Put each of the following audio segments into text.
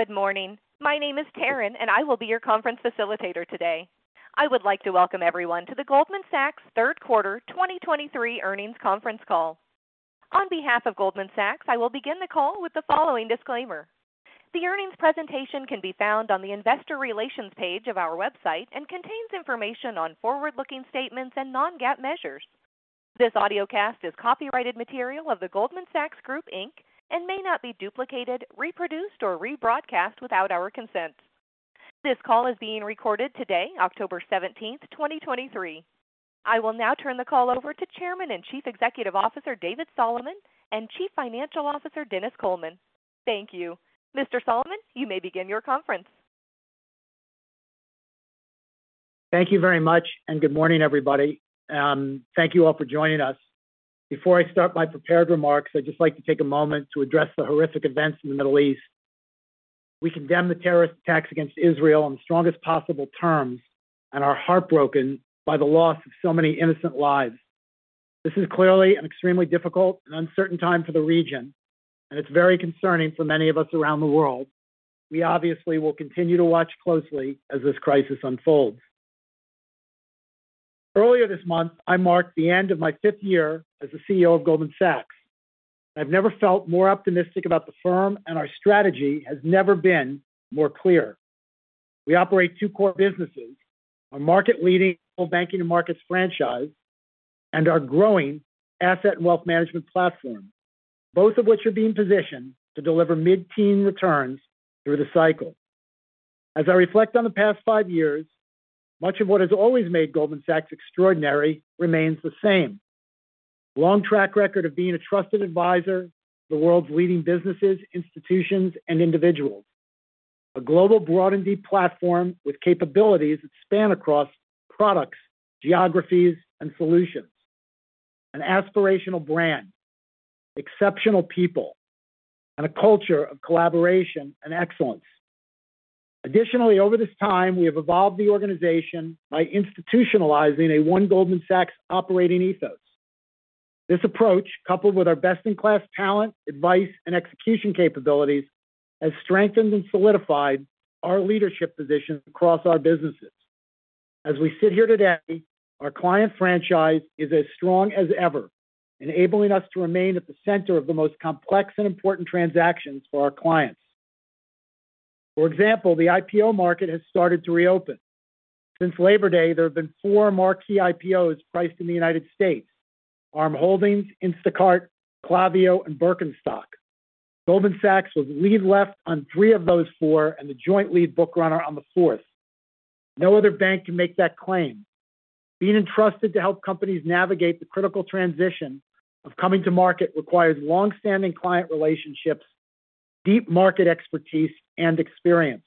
Good morning. My name is Taryn, and I will be your conference facilitator today. I would like to welcome everyone to the Goldman Sachs third quarter 2023 earnings conference call. On behalf of Goldman Sachs, I will begin the call with the following disclaimer: The earnings presentation can be found on the Investor Relations page of our website and contains information on forward-looking statements and non-GAAP measures. This audiocast is copyrighted material of The Goldman Sachs Group, Inc. and may not be duplicated, reproduced, or rebroadcast without our consent. This call is being recorded today, October 17, 2023. I will now turn the call over to Chairman and Chief Executive Officer, David Solomon, and Chief Financial Officer, Denis Coleman. Thank you. Mr. Solomon, you may begin your conference. Thank you very much, and good morning, everybody. Thank you all for joining us. Before I start my prepared remarks, I'd just like to take a moment to address the horrific events in the Middle East. We condemn the terrorist attacks against Israel in the strongest possible terms and are heartbroken by the loss of so many innocent lives. This is clearly an extremely difficult and uncertain time for the region, and it's very concerning for many of us around the world. We obviously will continue to watch closely as this crisis unfolds. Earlier this month, I marked the end of my fifth year as the CEO of Goldman Sachs. I've never felt more optimistic about the firm, and our strategy has never been more clear. We operate two core businesses, our market-leading banking and markets franchise, and our growing Asset and Wealth Management platform, both of which are being positioned to deliver mid-teen returns through the cycle. As I reflect on the past five years, much of what has always made Goldman Sachs extraordinary remains the same. Long track record of being a trusted advisor to the world's leading businesses, institutions, and individuals. A global broad and deep platform with capabilities that span across products, geographies, and solutions. An aspirational brand, exceptional people, and a culture of collaboration and excellence. Additionally, over this time, we have evolved the organization by institutionalizing a One Goldman Sachs operating ethos. This approach, coupled with our best-in-class talent, advice, and execution capabilities, has strengthened and solidified our leadership position across our businesses. As we sit here today, our client franchise is as strong as ever, enabling us to remain at the center of the most complex and important transactions for our clients. For example, the IPO market has started to reopen. Since Labor Day, there have been four more key IPOs priced in the United States: Arm Holdings, Instacart, Klaviyo, and Birkenstock. Goldman Sachs was lead left on three of those four and the joint lead bookrunner on the fourth. No other bank can make that claim. Being entrusted to help companies navigate the critical transition of coming to market requires long-standing client relationships, deep market expertise, and experience.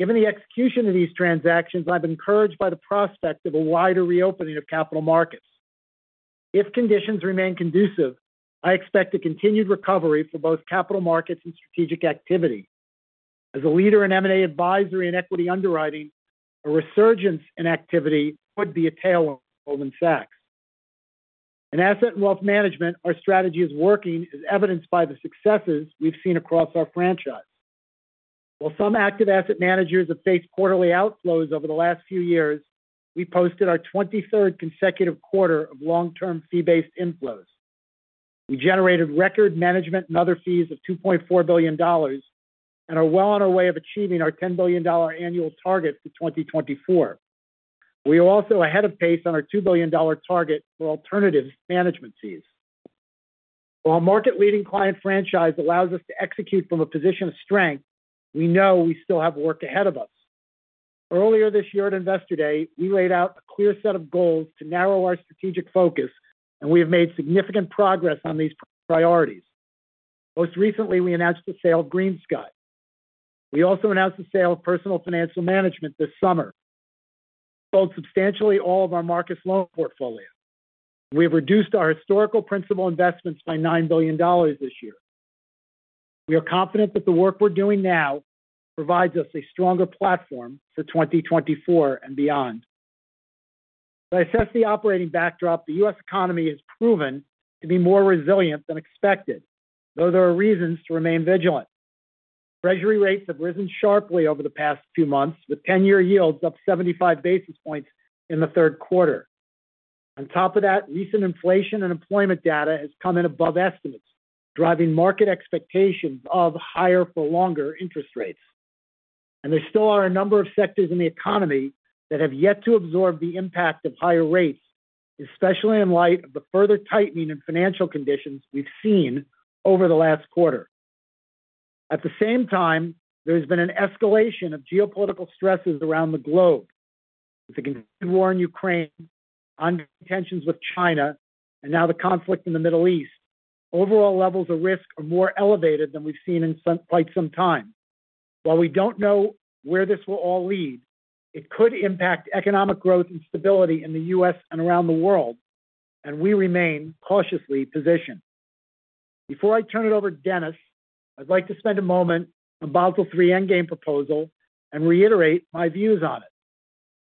Given the execution of these transactions, I'm encouraged by the prospect of a wider reopening of capital markets. If conditions remain conducive, I expect a continued recovery for both capital markets and strategic activity. As a leader in M&A advisory and equity underwriting, a resurgence in activity would be a tailwind for Goldman Sachs. In Asset and Wealth Management, our strategy is working, as evidenced by the successes we've seen across our franchise. While some active asset managers have faced quarterly outflows over the last few years, we posted our 23rd consecutive quarter of long-term fee-based inflows. We generated record management and other fees of $2.4 billion and are well on our way of achieving our $10 billion annual target for 2024. We are also ahead of pace on our $2 billion target for alternative management fees. While market-leading client franchise allows us to execute from a position of strength, we know we still have work ahead of us. Earlier this year at Investor Day, we laid out a clear set of goals to narrow our strategic focus, and we have made significant progress on these priorities. Most recently, we announced the sale of GreenSky. We also announced the sale of Personal Financial Management this summer, sold substantially all of our Marcus loan portfolio. We have reduced our historical principal investments by $9 billion this year. We are confident that the work we're doing now provides us a stronger platform for 2024 and beyond. To assess the operating backdrop, the U.S. economy has proven to be more resilient than expected, though there are reasons to remain vigilant. Treasury rates have risen sharply over the past few months, with 10-year yields up 75 basis points in the third quarter. On top of that, recent inflation and employment data has come in above estimates, driving market expectations of higher for longer interest rates. There still are a number of sectors in the economy that have yet to absorb the impact of higher rates, especially in light of the further tightening in financial conditions we've seen over the last quarter. At the same time, there's been an escalation of geopolitical stresses around the globe. With the war in Ukraine, ongoing tensions with China, and now the conflict in the Middle East, overall levels of risk are more elevated than we've seen in quite some time. While we don't know where this will all lead, it could impact economic growth and stability in the U.S. and around the world, and we remain cautiously positioned. Before I turn it over to Denis, I'd like to spend a moment on Basel III Endgame proposal and reiterate my views on it.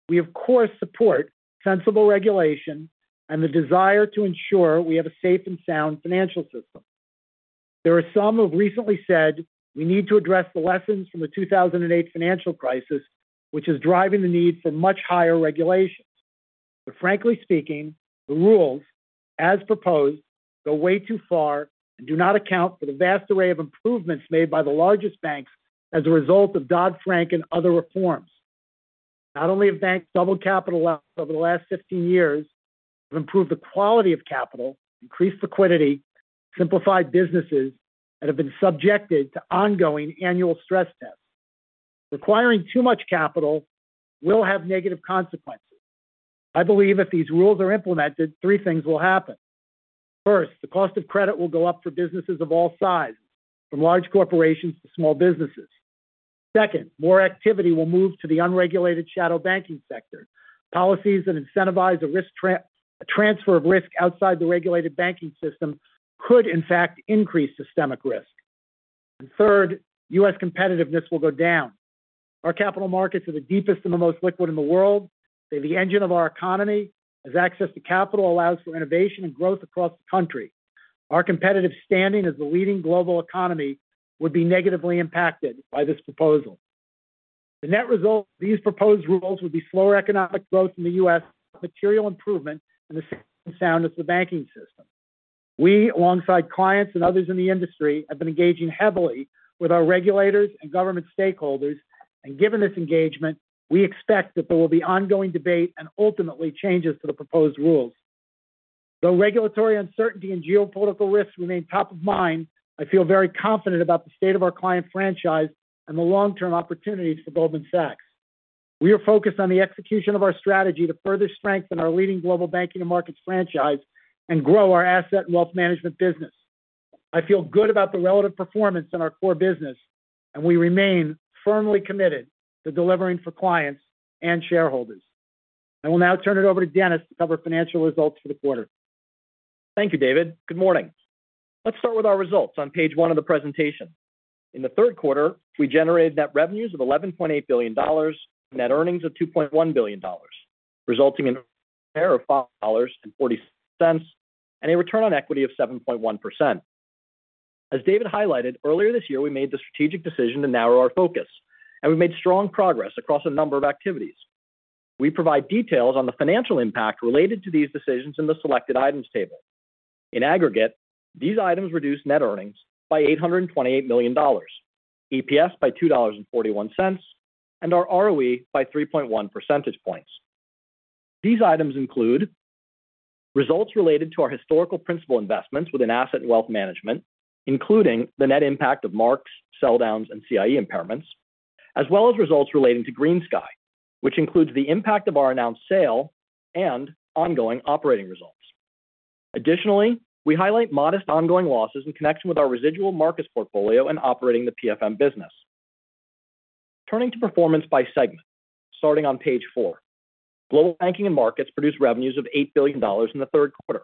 We, of course, support sensible regulation and the desire to ensure we have a safe and sound financial system. There are some who have recently said we need to address the lessons from the 2008 financial crisis, which is driving the need for much higher regulations. But frankly speaking, the rules, as proposed, go way too far and do not account for the vast array of improvements made by the largest banks as a result of Dodd-Frank and other reforms. Not only have banks doubled capital levels over the last 15 years, they've improved the quality of capital, increased liquidity, simplified businesses, and have been subjected to ongoing annual stress tests. Requiring too much capital will have negative consequences. I believe if these rules are implemented, three things will happen. First, the cost of credit will go up for businesses of all sizes, from large corporations to small businesses. Second, more activity will move to the unregulated shadow banking sector. Policies that incentivize a transfer of risk outside the regulated banking system could in fact increase systemic risk. And third, U.S. competitiveness will go down. Our capital markets are the deepest and the most liquid in the world. They're the engine of our economy, as access to capital allows for innovation and growth across the country. Our competitive standing as the leading global economy would be negatively impacted by this proposal. The net result of these proposed rules would be slower economic growth in the U.S., material improvement, and the safety and sound of the banking system. We, alongside clients and others in the industry, have been engaging heavily with our regulators and government stakeholders, and given this engagement, we expect that there will be ongoing debate and ultimately changes to the proposed rules. Though regulatory uncertainty and geopolitical risks remain top of mind, I feel very confident about the state of our client franchise and the long-term opportunities for Goldman Sachs. We are focused on the execution of our strategy to further strengthen our leading Global Banking and Markets franchise and grow our Asset and Wealth Management business. I feel good about the relative performance in our core business, and we remain firmly committed to delivering for clients and shareholders. I will now turn it over to Denis to cover financial results for the quarter. Thank you, David. Good morning. Let's start with our results on page one of the presentation. In the third quarter, we generated net revenues of $11.8 billion, net earnings of $2.1 billion, resulting in an EPS of $5.40, and a return on equity of 7.1%. As David highlighted, earlier this year, we made the strategic decision to narrow our focus, and we've made strong progress across a number of activities. We provide details on the financial impact related to these decisions in the selected items table. In aggregate, these items reduced net earnings by $828 million, EPS by $2.41, and our ROE by 3.1 percentage points. These items include results related to our historical principal investments within Asset and Wealth Management, including the net impact of marks, sell downs, and CIE impairments, as well as results relating to GreenSky, which includes the impact of our announced sale and ongoing operating results. Additionally, we highlight modest ongoing losses in connection with our residual markets portfolio and operating the PFM business. Turning to performance by segment, starting on page 4. Global banking and markets produced revenues of $8 billion in the third quarter.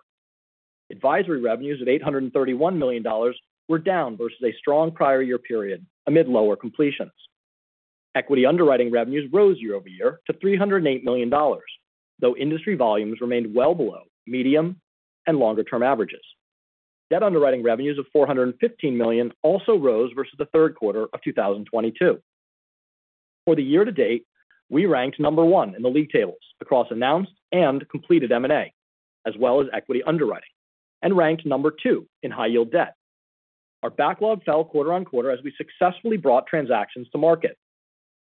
Advisory revenues of $831 million were down versus a strong prior year period amid lower completions. Equity underwriting revenues rose year-over-year to $308 million, though industry volumes remained well below medium- and longer-term averages. Debt underwriting revenues of $415 million also rose versus the third quarter of 2022. For the year to date, we ranked number one in the league tables across announced and completed M&A, as well as equity underwriting, and ranked number two in high yield debt. Our backlog fell quarter-on-quarter as we successfully brought transactions to market.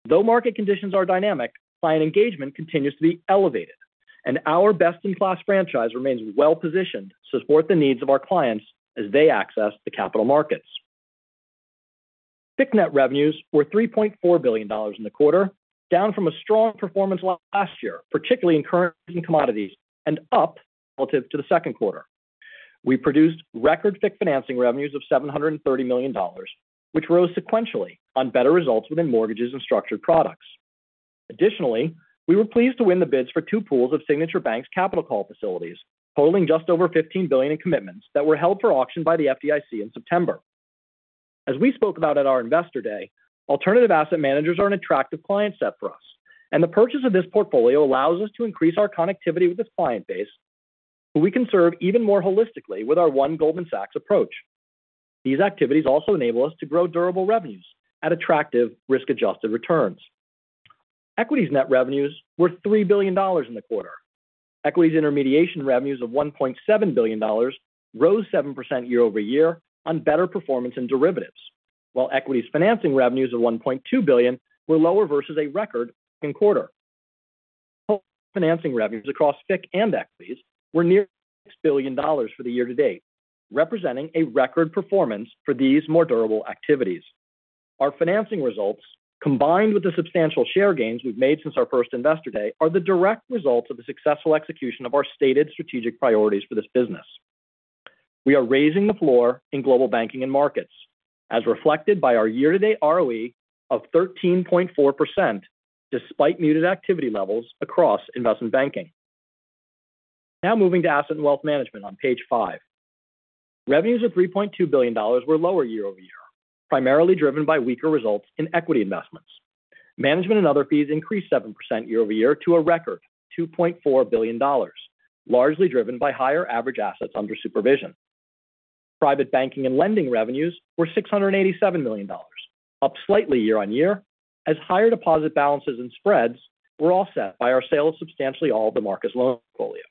Though market conditions are dynamic, client engagement continues to be elevated, and our best-in-class franchise remains well-positioned to support the needs of our clients as they access the capital markets. FICC net revenues were $3.4 billion in the quarter, down from a strong performance last year, particularly in currency and commodities, and up relative to the second quarter. We produced record FICC financing revenues of $730 million, which rose sequentially on better results within mortgages and structured products. Additionally, we were pleased to win the bids for two pools of Signature Bank's capital call facilities, totaling just over $15 billion in commitments that were held for auction by the FDIC in September. As we spoke about at our Investor Day, alternative asset managers are an attractive client set for us, and the purchase of this portfolio allows us to increase our connectivity with this client base, who we can serve even more holistically with our One Goldman Sachs approach. These activities also enable us to grow durable revenues at attractive risk-adjusted returns. Equities net revenues were $3 billion in the quarter. Equities intermediation revenues of $1.7 billion rose 7% year-over-year on better performance in derivatives, while equities financing revenues of $1.2 billion were lower versus a record in quarter. Financing revenues across FICC and equities were near $6 billion for the year-to-date, representing a record performance for these more durable activities. Our financing results, combined with the substantial share gains we've made since our first Investor Day, are the direct results of the successful execution of our stated strategic priorities for this business. We are raising the floor in global banking and markets, as reflected by our year-to-date ROE of 13.4%, despite muted activity levels across investment banking.... Now moving to Asset and Wealth Management on page 5. Revenues of $3.2 billion were lower year-over-year, primarily driven by weaker results in equity investments. Management and other fees increased 7% year-over-year to a record $2.4 billion, largely driven by higher average assets under supervision. Private banking and lending revenues were $687 million, up slightly year-on-year, as higher deposit balances and spreads were offset by our sale of substantially all the Marcus loan portfolio.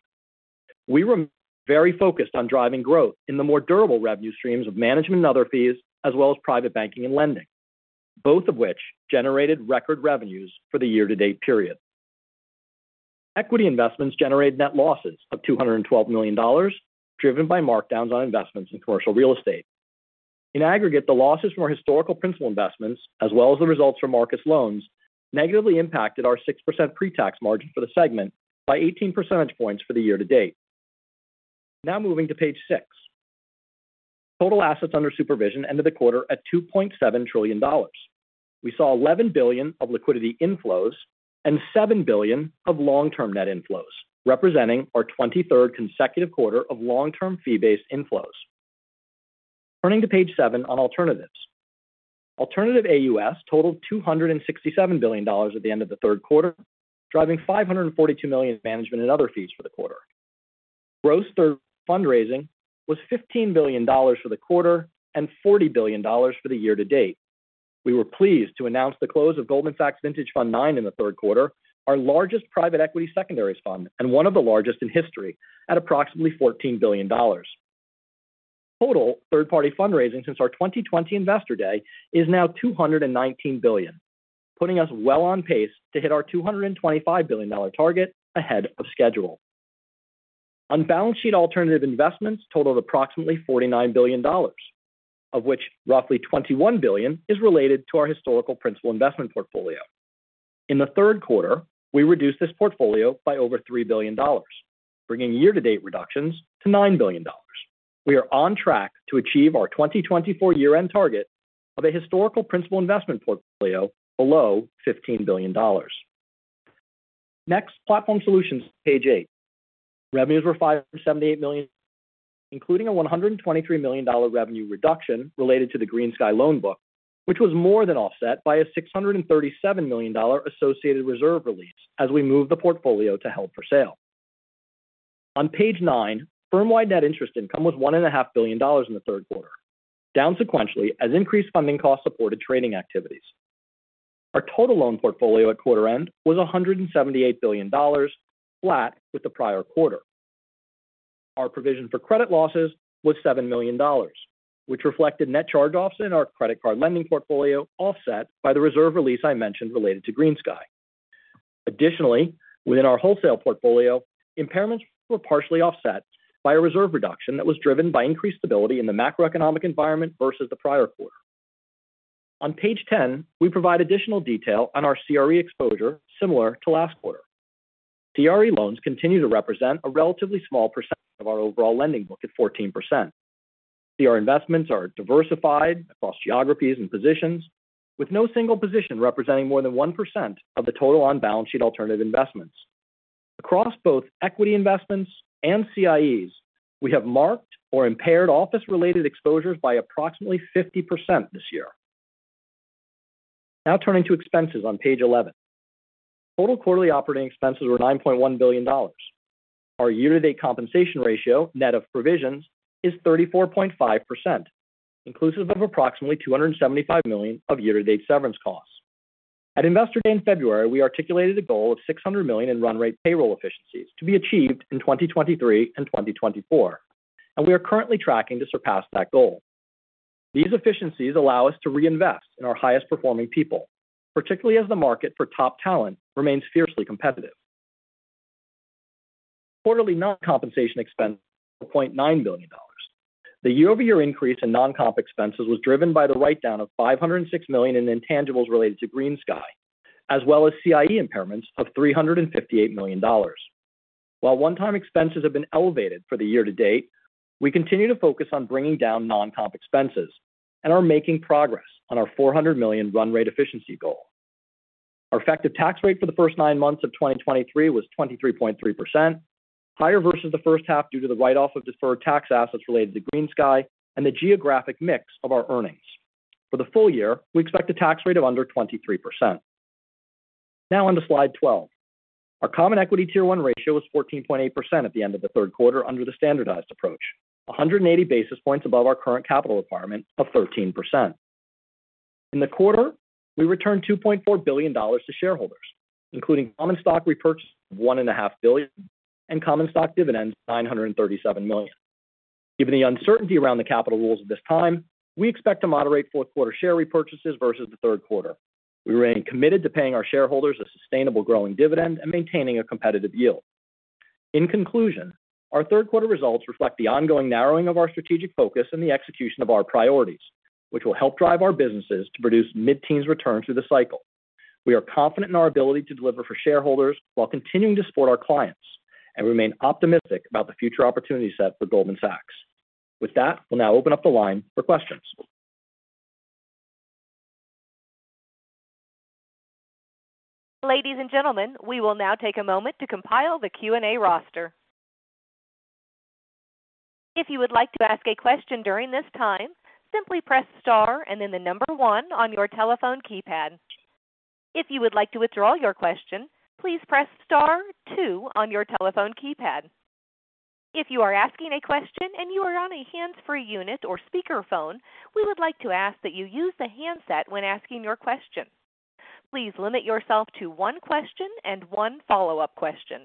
We were very focused on driving growth in the more durable revenue streams of management and other fees, as well as private banking and lending, both of which generated record revenues for the year-to-date period. Equity investments generated net losses of $212 million, driven by markdowns on investments in commercial real estate. In aggregate, the losses from our historical principal investments, as well as the results from Marcus Loans, negatively impacted our 6% pre-tax margin for the segment by 18 percentage points for the year to date. Now moving to page six. Total assets under supervision ended the quarter at $2.7 trillion. We saw $11 billion of liquidity inflows and $7 billion of long-term net inflows, representing our 23rd consecutive quarter of long-term fee-based inflows. Turning to page 7 on alternatives. Alternative AUS totaled $267 billion at the end of the third quarter, driving $542 million in management and other fees for the quarter. Gross third fundraising was $15 billion for the quarter and $40 billion for the year to date. We were pleased to announce the close of Goldman Sachs Vintage Fund IX in the third quarter, our largest private equity secondaries fund, and one of the largest in history, at approximately $14 billion. Total third-party fundraising since our 2020 investor day is now $219 billion, putting us well on pace to hit our $225 billion target ahead of schedule. On balance sheet, alternative investments totaled approximately $49 billion, of which roughly $21 billion is related to our historical principal investment portfolio. In the third quarter, we reduced this portfolio by over $3 billion, bringing year-to-date reductions to $9 billion. We are on track to achieve our 2024 year-end target of a historical principal investment portfolio below $15 billion. Next, Platform Solutions, page eight. Revenues were $578 million, including a $123 million revenue reduction related to the GreenSky loan book, which was more than offset by a $637 million associated reserve release as we moved the portfolio to held for sale. On page nine, firm-wide net interest income was $1.5 billion in the third quarter, down sequentially as increased funding costs supported trading activities. Our total loan portfolio at quarter end was $178 billion, flat with the prior quarter. Our provision for credit losses was $7 million, which reflected net charge-offs in our credit card lending portfolio, offset by the reserve release I mentioned related to GreenSky. Additionally, within our wholesale portfolio, impairments were partially offset by a reserve reduction that was driven by increased stability in the macroeconomic environment versus the prior quarter. On page 10, we provide additional detail on our CRE exposure, similar to last quarter. CRE loans continue to represent a relatively small percentage of our overall lending book at 14%. CRE investments are diversified across geographies and positions, with no single position representing more than 1% of the total on-balance sheet alternative investments. Across both equity investments and CIEs, we have marked or impaired office-related exposures by approximately 50% this year. Now turning to expenses on page 11. Total quarterly operating expenses were $9.1 billion. Our year-to-date compensation ratio, net of provisions, is 34.5%, inclusive of approximately $275 million of year-to-date severance costs. At Investor Day in February, we articulated a goal of $600 million in run rate payroll efficiencies to be achieved in 2023 and 2024, and we are currently tracking to surpass that goal. These efficiencies allow us to reinvest in our highest performing people, particularly as the market for top talent remains fiercely competitive. Quarterly non-compensation expenses were $0.9 billion. The year-over-year increase in non-comp expenses was driven by the write-down of $506 million in intangibles related to GreenSky, as well as CIE impairments of $358 million. While one-time expenses have been elevated for the year to date, we continue to focus on bringing down non-comp expenses and are making progress on our $400 million run rate efficiency goal. Our effective tax rate for the first nine months of 2023 was 23.3%, higher versus the first half due to the write-off of deferred tax assets related to GreenSky and the geographic mix of our earnings. For the full year, we expect a tax rate of under 23%. Now on to slide 12. Our Common Equity Tier 1 ratio was 14.8% at the end of the third quarter under the standardized approach, 180 basis points above our current capital requirement of 13%. In the quarter, we returned $2.4 billion to shareholders, including common stock repurchase of $1.5 billion, and common stock dividends, $937 million. Given the uncertainty around the capital rules at this time, we expect to moderate fourth quarter share repurchases versus the third quarter. We remain committed to paying our shareholders a sustainable growing dividend and maintaining a competitive yield. In conclusion, our third quarter results reflect the ongoing narrowing of our strategic focus and the execution of our priorities, which will help drive our businesses to produce mid-teens returns through the cycle. We are confident in our ability to deliver for shareholders while continuing to support our clients, and we remain optimistic about the future opportunity set for Goldman Sachs. With that, we'll now open up the line for questions. Ladies and gentlemen, we will now take a moment to compile the Q&A roster. If you would like to ask a question during this time, simply press star and then the number one on your telephone keypad. If you would like to withdraw your question, please press star two on your telephone keypad. If you are asking a question and you are on a hands-free unit or speakerphone, we would like to ask that you use the handset when asking your question. Please limit yourself to one question and one follow-up question.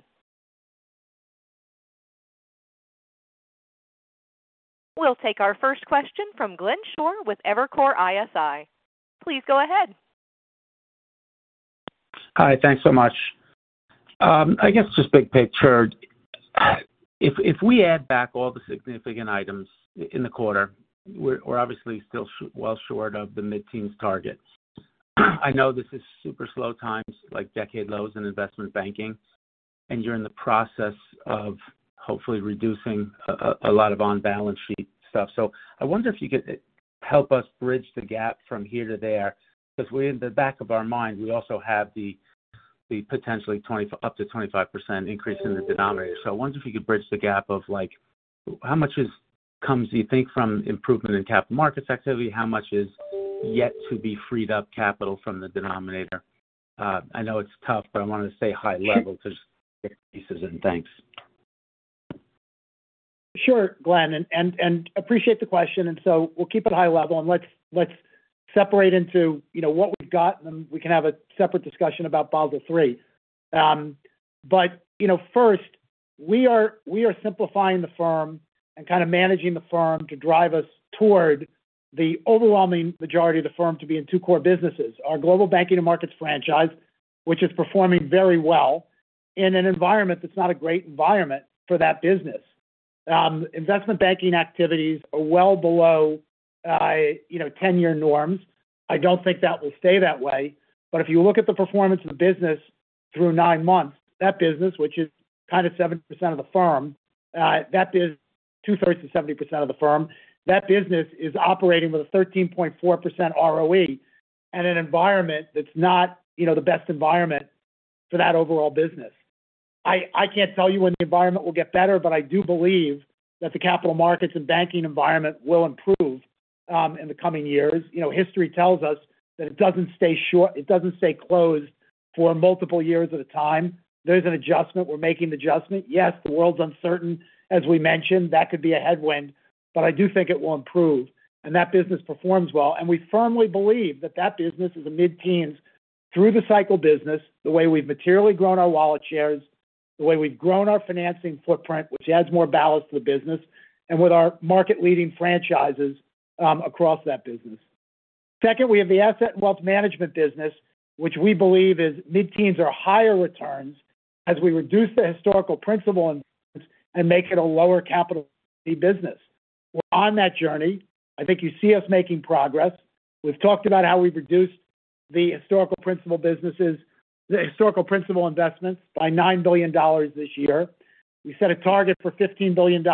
We'll take our first question from Glenn Schorr with Evercore ISI. Please go ahead. Hi, thanks so much. I guess just big picture, if we add back all the significant items in the quarter, we're obviously still well short of the mid-teens target. I know this is super slow times, like decade lows in investment banking, and you're in the process of hopefully reducing a lot of on-balance sheet stuff. So I wonder if you could help us bridge the gap from here to there, because we're in the back of our mind, we also have the potentially up to 25% increase in the denominator. So I wonder if you could bridge the gap of like, how much comes, do you think, from improvement in capital markets activity, how much is yet to be freed up capital from the denominator? I know it's tough, but I wanted to say high level just pieces in. Thanks. Sure, Glenn, appreciate the question, and so we'll keep it high level and let's separate into, you know, what we've got, and then we can have a separate discussion about Basel III. But you know, first, we are simplifying the firm and kind of managing the firm to drive us toward the overwhelming majority of the firm to be in two core businesses. Our global banking and markets franchise, which is performing very well in an environment that's not a great environment for that business. Investment banking activities are well below, you know, 10-year norms. I don't think that will stay that way. But if you look at the performance of the business through nine months, that business, which is kind of 7% of the firm, that business, two-thirds to 70% of the firm, that business is operating with a 13.4% ROE in an environment that's not, you know, the best environment for that overall business. I can't tell you when the environment will get better, but I do believe that the capital markets and banking environment will improve in the coming years. You know, history tells us that it doesn't stay closed for multiple years at a time. There's an adjustment. We're making the adjustment. Yes, the world's uncertain, as we mentioned, that could be a headwind, but I do think it will improve, and that business performs well. And we firmly believe that that business is a mid-teens through the cycle business, the way we've materially grown our wallet shares, the way we've grown our financing footprint, which adds more balance to the business, and with our market-leading franchises across that business. Second, we have the Asset and Wealth Management business, which we believe is mid-teens or higher returns as we reduce the historical principal and make it a lower capital business. We're on that journey. I think you see us making progress. We've talked about how we've reduced the historical principal businesses, the historical principal investments by $9 billion this year. We set a target for $15 billion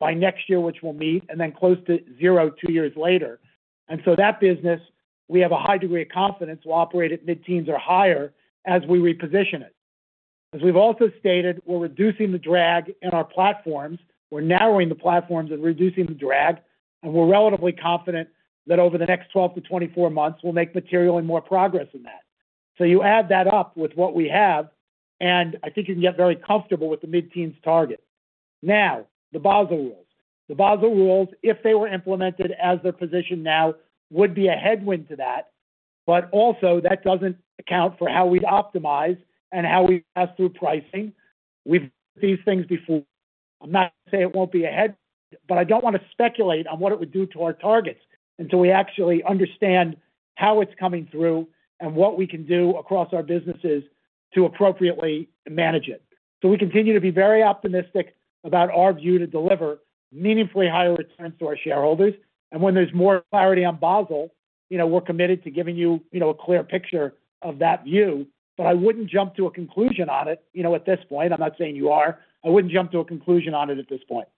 by next year, which we'll meet, and then close to zero two years later. And so that business, we have a high degree of confidence, will operate at mid-teens or higher as we reposition it. As we've also stated, we're reducing the drag in our platforms. We're narrowing the platforms and reducing the drag, and we're relatively confident that over the next 12-24 months, we'll make materially more progress in that. So you add that up with what we have, and I think you can get very comfortable with the mid-teens target. Now, the Basel rules. The Basel rules, if they were implemented as they're positioned now, would be a headwind to that, but also that doesn't account for how we optimize and how we pass through pricing. We've done these things before. I'm not saying it won't be a headwind, but I don't want to speculate on what it would do to our targets until we actually understand how it's coming through and what we can do across our businesses to appropriately manage it. We continue to be very optimistic about our view to deliver meaningfully higher returns to our shareholders. When there's more clarity on Basel, you know, we're committed to giving you, you know, a clear picture of that view, but I wouldn't jump to a conclusion on it, you know, at this point. I'm not saying you are. I wouldn't jump to a conclusion on it at this point.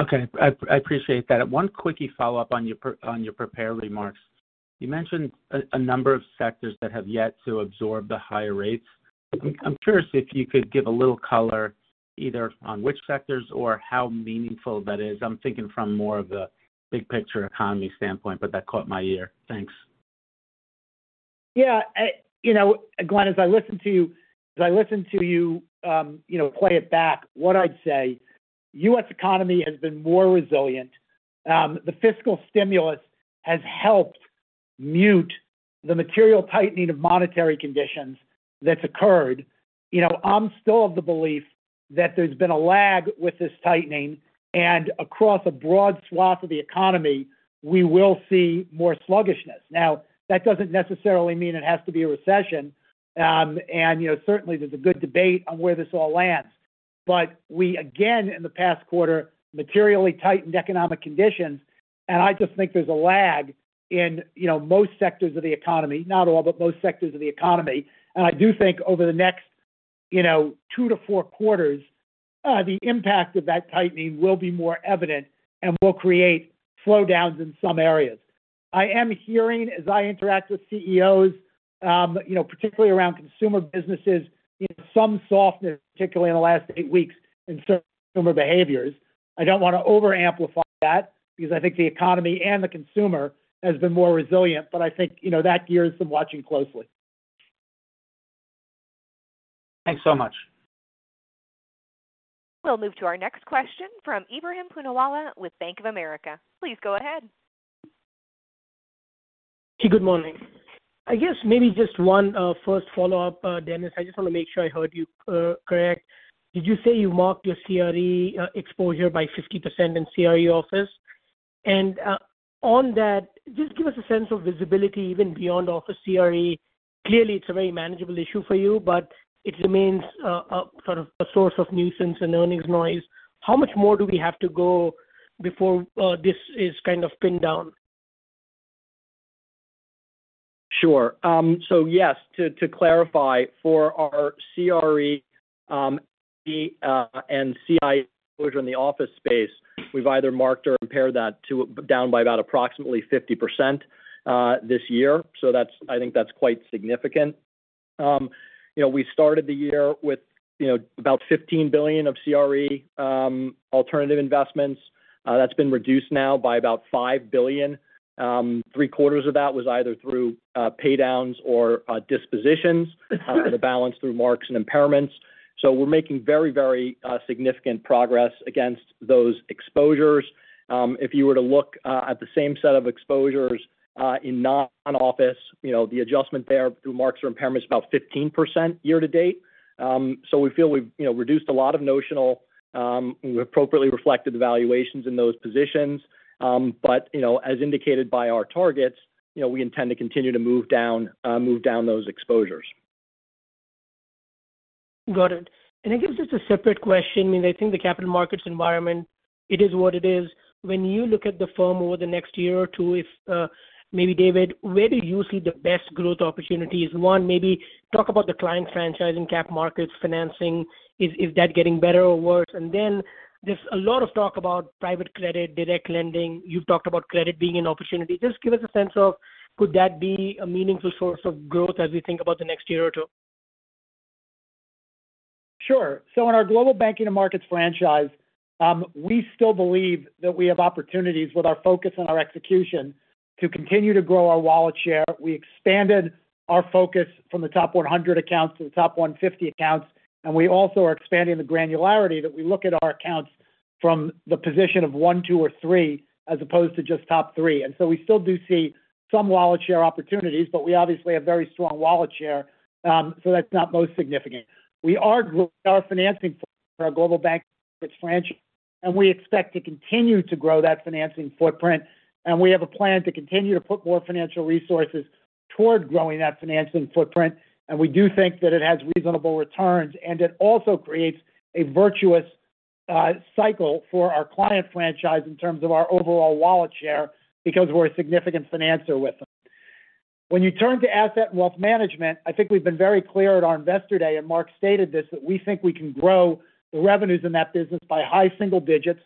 Okay. I appreciate that. One quickie follow-up on your prepared remarks. You mentioned a number of sectors that have yet to absorb the higher rates. I'm curious if you could give a little color, either on which sectors or how meaningful that is. I'm thinking from more of the big picture economy standpoint, but that caught my ear. Thanks. Yeah, you know, Glenn, as I listen to you, you know, play it back, what I'd say, the U.S. economy has been more resilient. The fiscal stimulus has helped mute the material tightening of monetary conditions that's occurred. You know, I'm still of the belief that there's been a lag with this tightening, and across a broad swath of the economy, we will see more sluggishness. Now, that doesn't necessarily mean it has to be a recession, and you know, certainly, there's a good debate on where this all lands. But we again, in the past quarter, materially tightened economic conditions, and I just think there's a lag in, you know, most sectors of the economy, not all, but most sectors of the economy. And I do think over the next-... You know, 2-4 quarters, the impact of that tightening will be more evident and will create slowdowns in some areas. I am hearing, as I interact with CEOs, you know, particularly around consumer businesses, you know, some softness, particularly in the last 8 weeks, in certain consumer behaviors. I don't want to overamplify that because I think the economy and the consumer has been more resilient, but I think, you know, that they're watching closely. Thanks so much. We'll move to our next question from Ebrahim Poonawala with Bank of America. Please go ahead. Good morning. I guess maybe just one, first follow-up, Denis. I just want to make sure I heard you, correct. Did you say you marked your CRE exposure by 50% in CRE office? On that, just give us a sense of visibility, even beyond office CRE. Clearly, it's a very manageable issue for you, but it remains a sort of a source of nuisance and earnings noise. How much more do we have to go before this is kind of pinned down? Sure. So yes, to clarify, for our CRE and CIE exposure in the office space, we've either marked or impaired that down by about approximately 50%, this year. So that's. I think that's quite significant. You know, we started the year with, you know, about $15 billion of CRE alternative investments. That's been reduced now by about $5 billion. Three quarters of that was either through pay downs or dispositions, the balance through marks and impairments. So we're making very, very significant progress against those exposures. If you were to look at the same set of exposures in non-office, you know, the adjustment there through marks or impairment is about 15% year to date. So we feel we've, you know, reduced a lot of notional, and we appropriately reflected the valuations in those positions. But, you know, as indicated by our targets, you know, we intend to continue to move down, move down those exposures. Got it. It gives us a separate question. I mean, I think the capital markets environment, it is what it is. When you look at the firm over the next year or two, if, maybe David, where do you see the best growth opportunities? One, maybe talk about the client franchise in cap markets, financing. Is that getting better or worse? And then there's a lot of talk about private credit, direct lending. You've talked about credit being an opportunity. Just give us a sense of could that be a meaningful source of growth as we think about the next year or two? Sure. So in our global banking and markets franchise, we still believe that we have opportunities with our focus and our execution to continue to grow our wallet share. We expanded our focus from the top 100 accounts to the top 150 accounts, and we also are expanding the granularity that we look at our accounts from the position of 1, 2, or 3, as opposed to just top 3. And so we still do see some wallet share opportunities, but we obviously have very strong wallet share, so that's not most significant. We are growing our financing for our global bank franchise, and we expect to continue to grow that financing footprint, and we have a plan to continue to put more financial resources toward growing that financing footprint. We do think that it has reasonable returns, and it also creates a virtuous cycle for our client franchise in terms of our overall wallet share, because we're a significant financer with them. When you turn to Asset and Wealth Management, I think we've been very clear at our investor day, and Marc stated this, that we think we can grow the revenues in that business by high single digits%.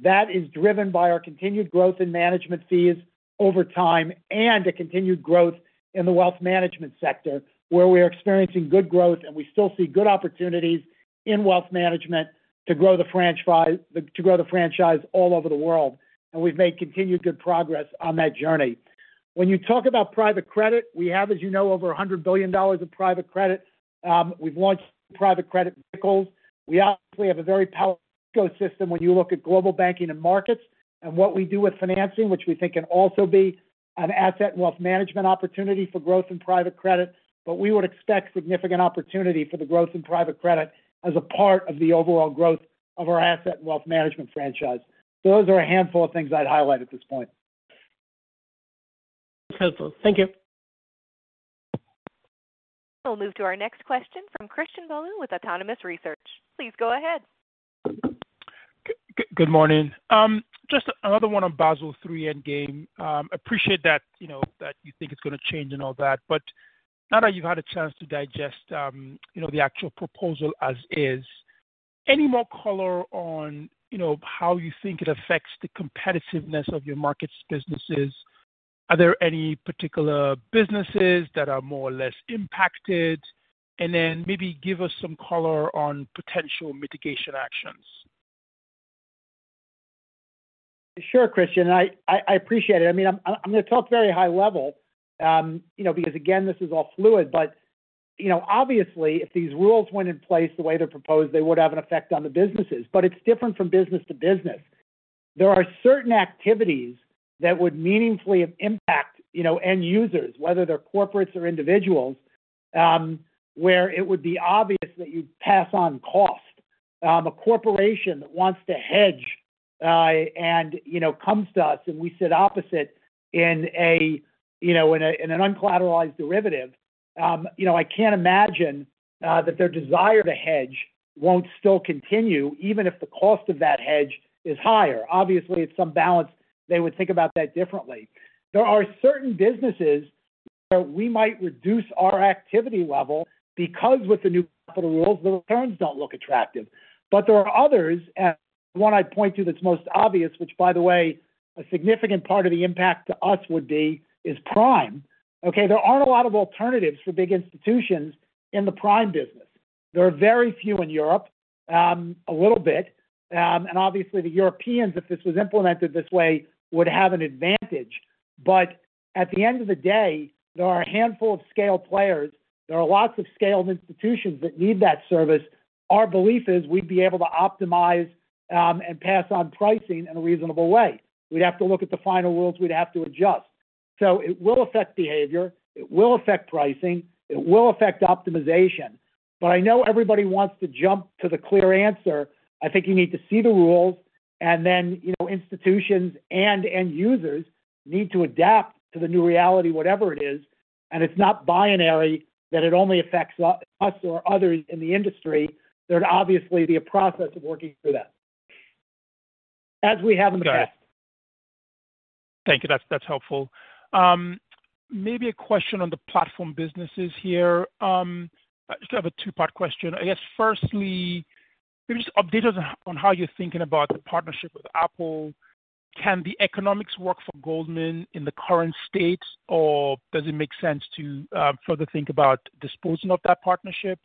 That is driven by our continued growth in management fees over time and a continued growth in the wealth management sector, where we are experiencing good growth, and we still see good opportunities in wealth management to grow the franchise all over the world. And we've made continued good progress on that journey. When you talk about private credit, we have, as you know, over $100 billion of private credit. We've launched private credit vehicles. We obviously have a very powerful ecosystem when you look at global banking and markets and what we do with financing, which we think can also be an Asset and Wealth Management opportunity for growth in private credit. But we would expect significant opportunity for the growth in private credit as a part of the overall growth of our Asset and Wealth Management franchise. So those are a handful of things I'd highlight at this point. Helpful. Thank you. We'll move to our next question from Christian Bolu with Autonomous Research. Please go ahead. Good morning. Just another one on Basel III Endgame. Appreciate that, you know, that you think it's going to change and all that. But now that you've had a chance to digest, you know, the actual proposal as is, any more color on, you know, how you think it affects the competitiveness of your markets businesses? Are there any particular businesses that are more or less impacted? And then maybe give us some color on potential mitigation actions. Sure, Christian. I appreciate it. I mean, I'm going to talk very high level, you know, because again, this is all fluid. But, you know, obviously, if these rules went in place the way they're proposed, they would have an effect on the businesses, but it's different from business to business. There are certain activities that would meaningfully impact, you know, end users, whether they're corporates or individuals, where it would be obvious that you'd pass on cost. A corporation that wants to hedge, and, you know, comes to us and we sit opposite in an uncollateralized derivative, you know, I can't imagine that their desire to hedge won't still continue, even if the cost of that hedge is higher. Obviously, it's some balance. They would think about that differently. There are certain businesses where we might reduce our activity level, because with the new capital rules, the returns don't look attractive. But there are others, and the one I'd point to that's most obvious, which, by the way, a significant part of the impact to us would be, is prime. Okay? There aren't a lot of alternatives for big institutions in the prime business. There are very few in Europe, a little bit. And obviously the Europeans, if this was implemented this way, would have an advantage. But at the end of the day, there are a handful of scaled players. There are lots of scaled institutions that need that service. Our belief is we'd be able to optimize and pass on pricing in a reasonable way. We'd have to look at the final rules, we'd have to adjust. So it will affect behavior, it will affect pricing, it will affect optimization. But I know everybody wants to jump to the clear answer. I think you need to see the rules and then, you know, institutions and end users need to adapt to the new reality, whatever it is. And it's not binary that it only affects us, us or others in the industry. There'd obviously be a process of working through that, as we have in the past. Thank you. That's, that's helpful. Maybe a question on the platform businesses here. I just have a two-part question. I guess firstly, maybe just update us on, on how you're thinking about the partnership with Apple. Can the economics work for Goldman in the current state, or does it make sense to further think about disposing of that partnership?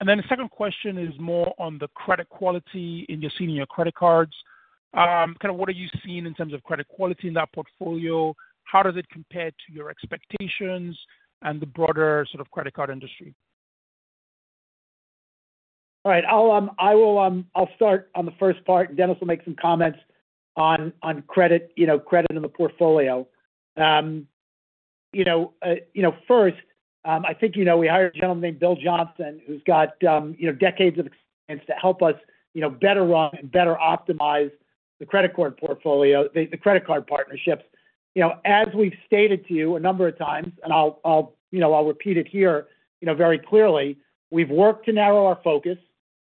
And then the second question is more on the credit quality in your senior credit cards. Kind of what are you seeing in terms of credit quality in that portfolio? How does it compare to your expectations and the broader sort of credit card industry? All right. I'll start on the first part. Denis will make some comments on credit, you know, credit in the portfolio. First, I think, you know, we hired a gentleman named Bill Johnson, who's got decades of experience to help us better run and better optimize the credit card portfolio, the credit card partnerships. You know, as we've stated to you a number of times, and I'll repeat it here, you know, very clearly, we've worked to narrow our focus.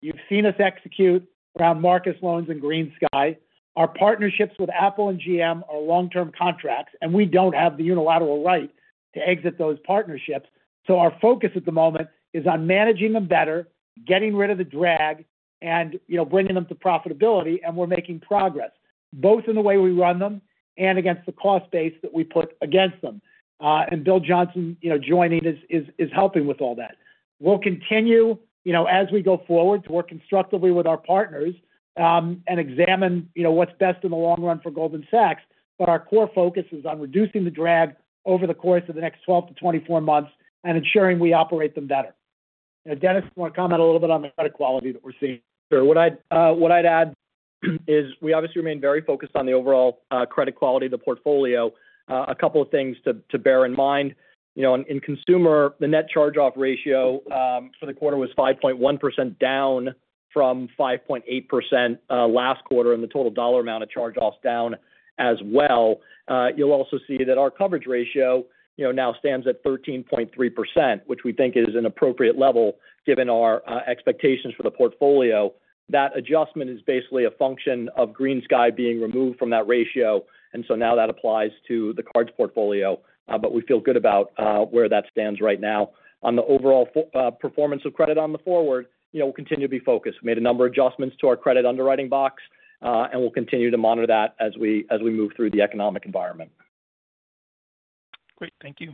You've seen us execute around Marcus Loans and GreenSky. Our partnerships with Apple and GM are long-term contracts, and we don't have the unilateral right to exit those partnerships. So our focus at the moment is on managing them better, getting rid of the drag, and, you know, bringing them to profitability, and we're making progress, both in the way we run them and against the cost base that we put against them. And Bill Johnson, you know, joining us is, is helping with all that. We'll continue, you know, as we go forward, to work constructively with our partners, and examine, you know, what's best in the long run for Goldman Sachs. But our core focus is on reducing the drag over the course of the next 12-24 months and ensuring we operate them better. Now, Denis, you want to comment a little bit on the credit quality that we're seeing? Sure. What I'd, what I'd add is we obviously remain very focused on the overall credit quality of the portfolio. A couple of things to bear in mind. You know, in consumer, the net charge-off ratio for the quarter was 5.1%, down from 5.8% last quarter, and the total dollar amount of charge-offs down as well. You'll also see that our coverage ratio, you know, now stands at 13.3%, which we think is an appropriate level given our expectations for the portfolio. That adjustment is basically a function of GreenSky being removed from that ratio, and so now that applies to the cards portfolio, but we feel good about where that stands right now. On the overall performance of credit on the forward, you know, we'll continue to be focused. We made a number of adjustments to our credit underwriting box, and we'll continue to monitor that as we move through the economic environment. Great. Thank you.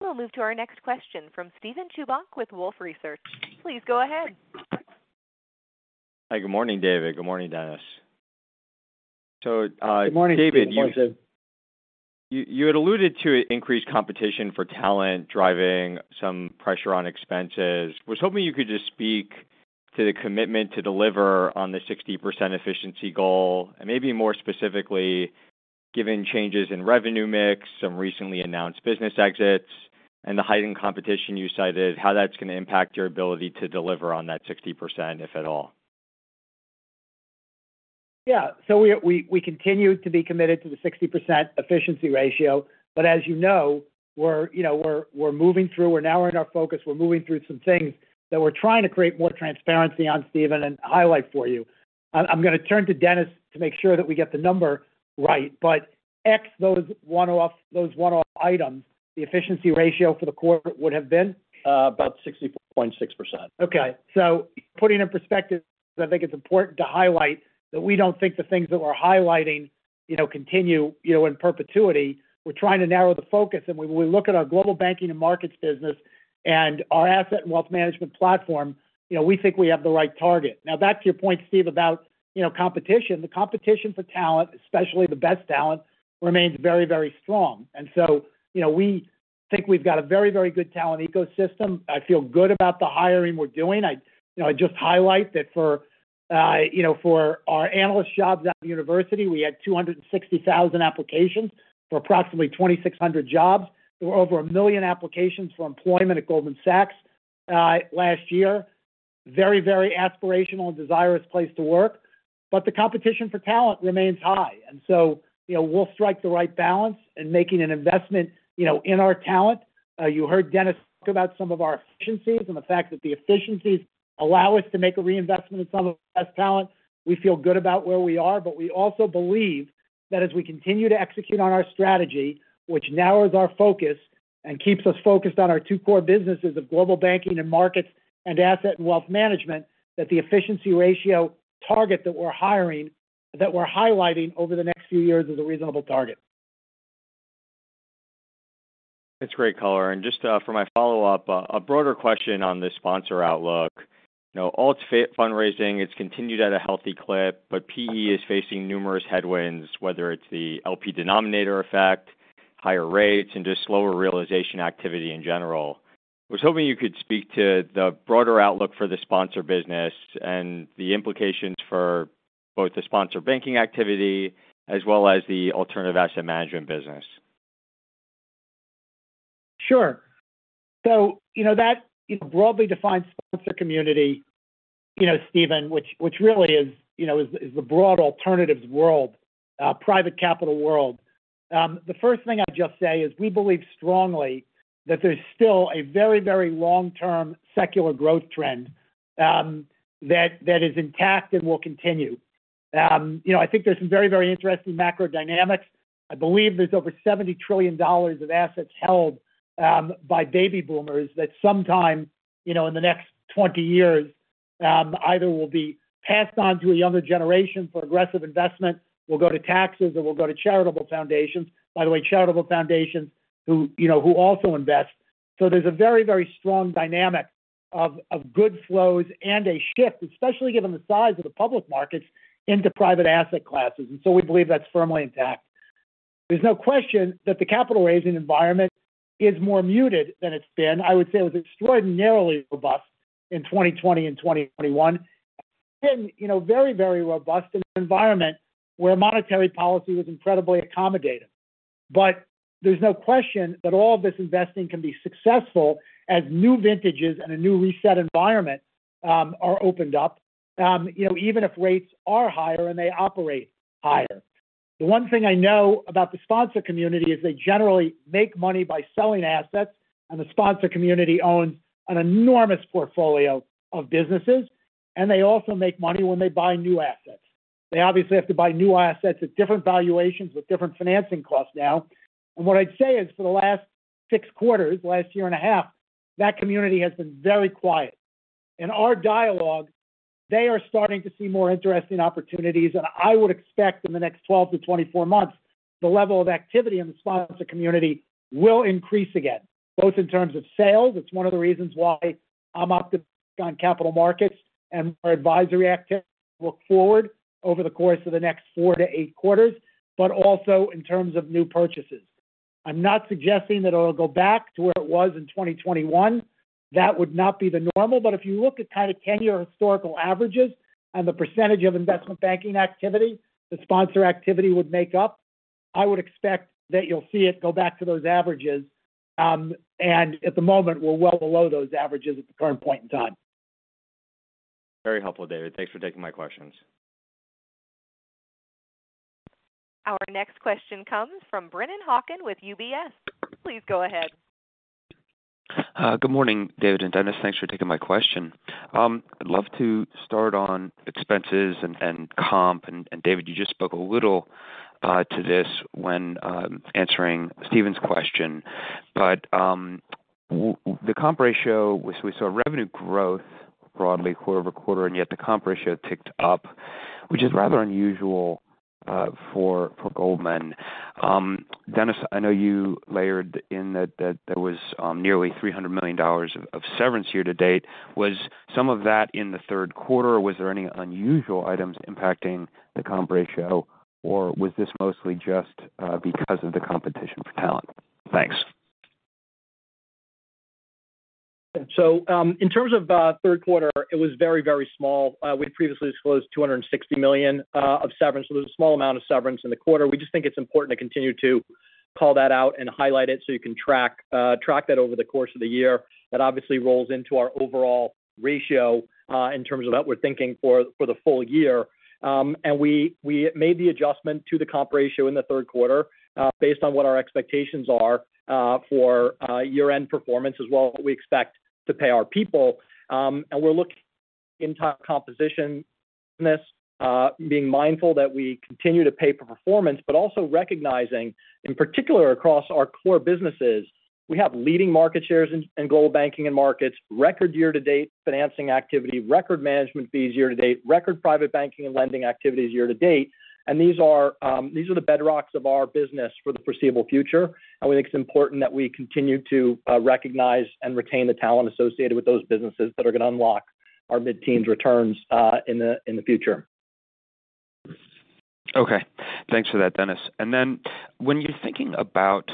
We'll move to our next question from Steven Chubak with Wolfe Research. Please go ahead. Hi, good morning, David. Good morning, Denis. So, Good morning, Steven. David, you, you had alluded to increased competition for talent, driving some pressure on expenses. Was hoping you could just speak to the commitment to deliver on the 60% efficiency goal, and maybe more specifically, given changes in revenue mix, some recently announced business exits, and the heightened competition you cited, how that's going to impact your ability to deliver on that 60%, if at all? Yeah. So we continue to be committed to the 60% efficiency ratio, but as you know, we're, you know, we're moving through... We're now in our focus. We're moving through some things that we're trying to create more transparency on, Steven, and highlight for you. I'm going to turn to Dennis to make sure that we get the number right, but excluding those one-off, those one-off items, the efficiency ratio for the quarter would have been? About 64.6%. Okay. So putting in perspective, I think it's important to highlight that we don't think the things that we're highlighting, you know, continue, you know, in perpetuity. We're trying to narrow the focus, and when we look at our global banking and markets business and our Asset and Wealth Management platform, you know, we think we have the right target. Now, back to your point, Steve, about, you know, competition. The competition for talent, especially the best talent, remains very, very strong. And so, you know, we think we've got a very, very good talent ecosystem. I feel good about the hiring we're doing. I, you know, I just highlight that for, you know, for our analyst jobs at university, we had 260,000 applications for approximately 2,600 jobs. There were over 1 million applications for employment at Goldman Sachs last year. Very, very aspirational and desirous place to work, but the competition for talent remains high. And so, you know, we'll strike the right balance in making an investment, you know, in our talent.... You heard Denis talk about some of our efficiencies and the fact that the efficiencies allow us to make a reinvestment in some of the best talent. We feel good about where we are, but we also believe that as we continue to execute on our strategy, which narrows our focus and keeps us focused on our two core businesses of global banking and markets and Asset and Wealth Management, that the efficiency ratio target that we're hiring- that we're highlighting over the next few years is a reasonable target. That's great color. And just, for my follow-up, a broader question on the sponsor outlook. You know, alt fundraising, it's continued at a healthy clip, but PE is facing numerous headwinds, whether it's the LP denominator effect, higher rates, and just slower realization activity in general. I was hoping you could speak to the broader outlook for the sponsor business and the implications for both the sponsor banking activity as well as the alternative asset management business. Sure. So you know that, you know, broadly defines sponsor community, you know, Steven, which really is the broad alternatives world, private capital world. The first thing I'd just say is we believe strongly that there's still a very, very long-term secular growth trend that is intact and will continue. You know, I think there's some very, very interesting macro dynamics. I believe there's over $70 trillion of assets held by baby boomers that sometime, you know, in the next 20 years, either will be passed on to a younger generation for aggressive investment, will go to taxes, or will go to charitable foundations. By the way, charitable foundations who, you know, who also invest. So there's a very, very strong dynamic of good flows and a shift, especially given the size of the public markets, into private asset classes. So we believe that's firmly intact. There's no question that the capital raising environment is more muted than it's been. I would say it was extraordinarily robust in 2020 and 2021, and, you know, very, very robust in an environment where monetary policy was incredibly accommodative. But there's no question that all of this investing can be successful as new vintages and a new reset environment are opened up, you know, even if rates are higher and they operate higher. The one thing I know about the sponsor community is they generally make money by selling assets, and the sponsor community owns an enormous portfolio of businesses, and they also make money when they buy new assets. They obviously have to buy new assets at different valuations with different financing costs now. What I'd say is, for the last 6 quarters, the last year and a half, that community has been very quiet. In our dialogue, they are starting to see more interesting opportunities, and I would expect in the next 12-24 months, the level of activity in the sponsor community will increase again, both in terms of sales, it's one of the reasons why I'm optimistic on capital markets and our advisory activities look forward over the course of the next 4-8 quarters, but also in terms of new purchases. I'm not suggesting that it'll go back to where it was in 2021. That would not be the normal. But if you look at kind of 10-year historical averages and the percentage of investment banking activity the sponsor activity would make up, I would expect that you'll see it go back to those averages. At the moment, we're well below those averages at the current point in time. Very helpful, David. Thanks for taking my questions. Our next question comes from Brennan Hawken with UBS. Please go ahead. Good morning, David and Denis. Thanks for taking my question. I'd love to start on expenses and comp. And David, you just spoke a little to this when answering Steven's question, but the comp ratio, we saw revenue growth broadly quarter-over-quarter, and yet the comp ratio ticked up, which is rather unusual for Goldman. Denis, I know you layered in that there was nearly $300 million of severance year to date. Was some of that in the third quarter, or was there any unusual items impacting the comp ratio, or was this mostly just because of the competition for talent? Thanks. So, in terms of third quarter, it was very, very small. We previously disclosed $260 million of severance, so there was a small amount of severance in the quarter. We just think it's important to continue to call that out and highlight it so you can track that over the course of the year. That obviously rolls into our overall ratio in terms of outward thinking for the full year. And we made the adjustment to the comp ratio in the third quarter based on what our expectations are for year-end performance, as well as what we expect to pay our people. And we're looking into composition, this being mindful that we continue to pay for performance, but also recognizing, in particular across our core businesses, we have leading market shares in global banking and markets, record year to date financing activity, record management fees year to date, record private banking and lending activities year to date. And these are, these are the bedrocks of our business for the foreseeable future, and we think it's important that we continue to recognize and retain the talent associated with those businesses that are going to unlock our mid-teens returns, in the, in the future. Okay. Thanks for that, Denis. And then when you're thinking about...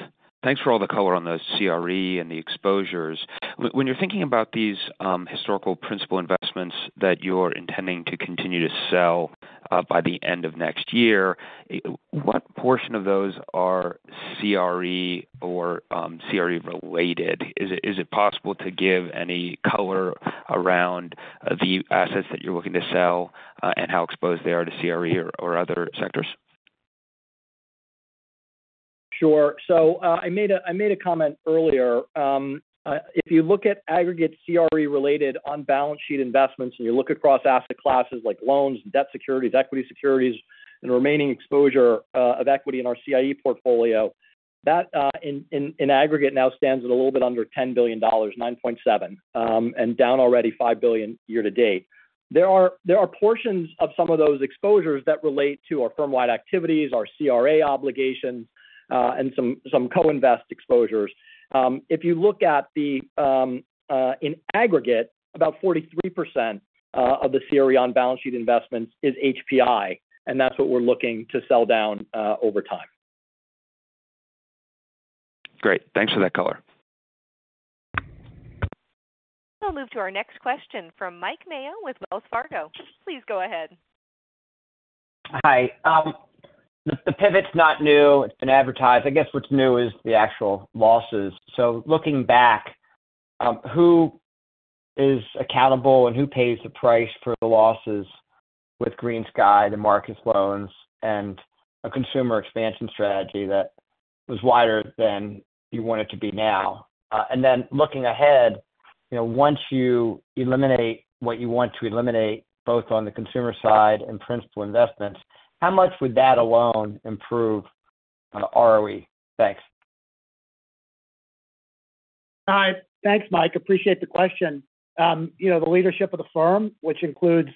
Thanks for all the color on the CRE and the exposures. When you're thinking about these historical principal investments that you're intending to continue to sell by the end of next year, what portion of those are CRE or CRE related? Is it possible to give any color around the assets that you're looking to sell and how exposed they are to CRE or other sectors? Sure. So, I made a comment earlier. If you look at aggregate CRE-related on-balance sheet investments, and you look across asset classes like loans and debt securities, equity securities, and remaining exposure of equity in our CIE portfolio, that in aggregate now stands at a little bit under $10 billion, $9.7 billion, and down already $5 billion year-to-date. There are portions of some of those exposures that relate to our firm-wide activities, our CRA obligations, and some co-invest exposures. If you look at the in aggregate, about 43% of the CRE on-balance sheet investments is HPI, and that's what we're looking to sell down over time. Great, thanks for that color. We'll move to our next question from Mike Mayo with Wells Fargo. Please go ahead. Hi. The pivot's not new. It's been advertised. I guess what's new is the actual losses. So looking back, who is accountable and who pays the price for the losses with GreenSky, the Marcus loans, and a consumer expansion strategy that was wider than you want it to be now? And then looking ahead, you know, once you eliminate what you want to eliminate, both on the consumer side and principal investments, how much would that alone improve on ROE? Thanks. Hi. Thanks, Mike. Appreciate the question. You know, the leadership of the firm, which includes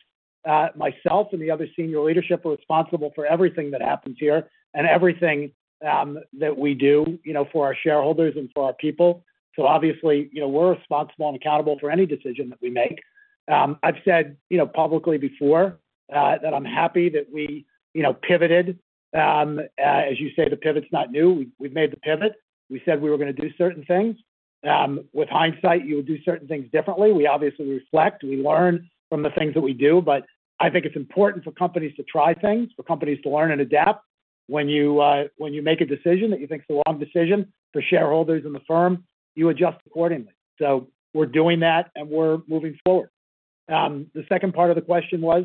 myself and the other senior leadership, are responsible for everything that happens here and everything that we do, you know, for our shareholders and for our people. So obviously, you know, we're responsible and accountable for any decision that we make. I've said, you know, publicly before that I'm happy that we, you know, pivoted. As you say, the pivot's not new. We've made the pivot. We said we were going to do certain things. With hindsight, you would do certain things differently. We obviously reflect, we learn from the things that we do, but I think it's important for companies to try things, for companies to learn and adapt. When you make a decision that you think is the wrong decision for shareholders in the firm, you adjust accordingly. So we're doing that, and we're moving forward. The second part of the question was?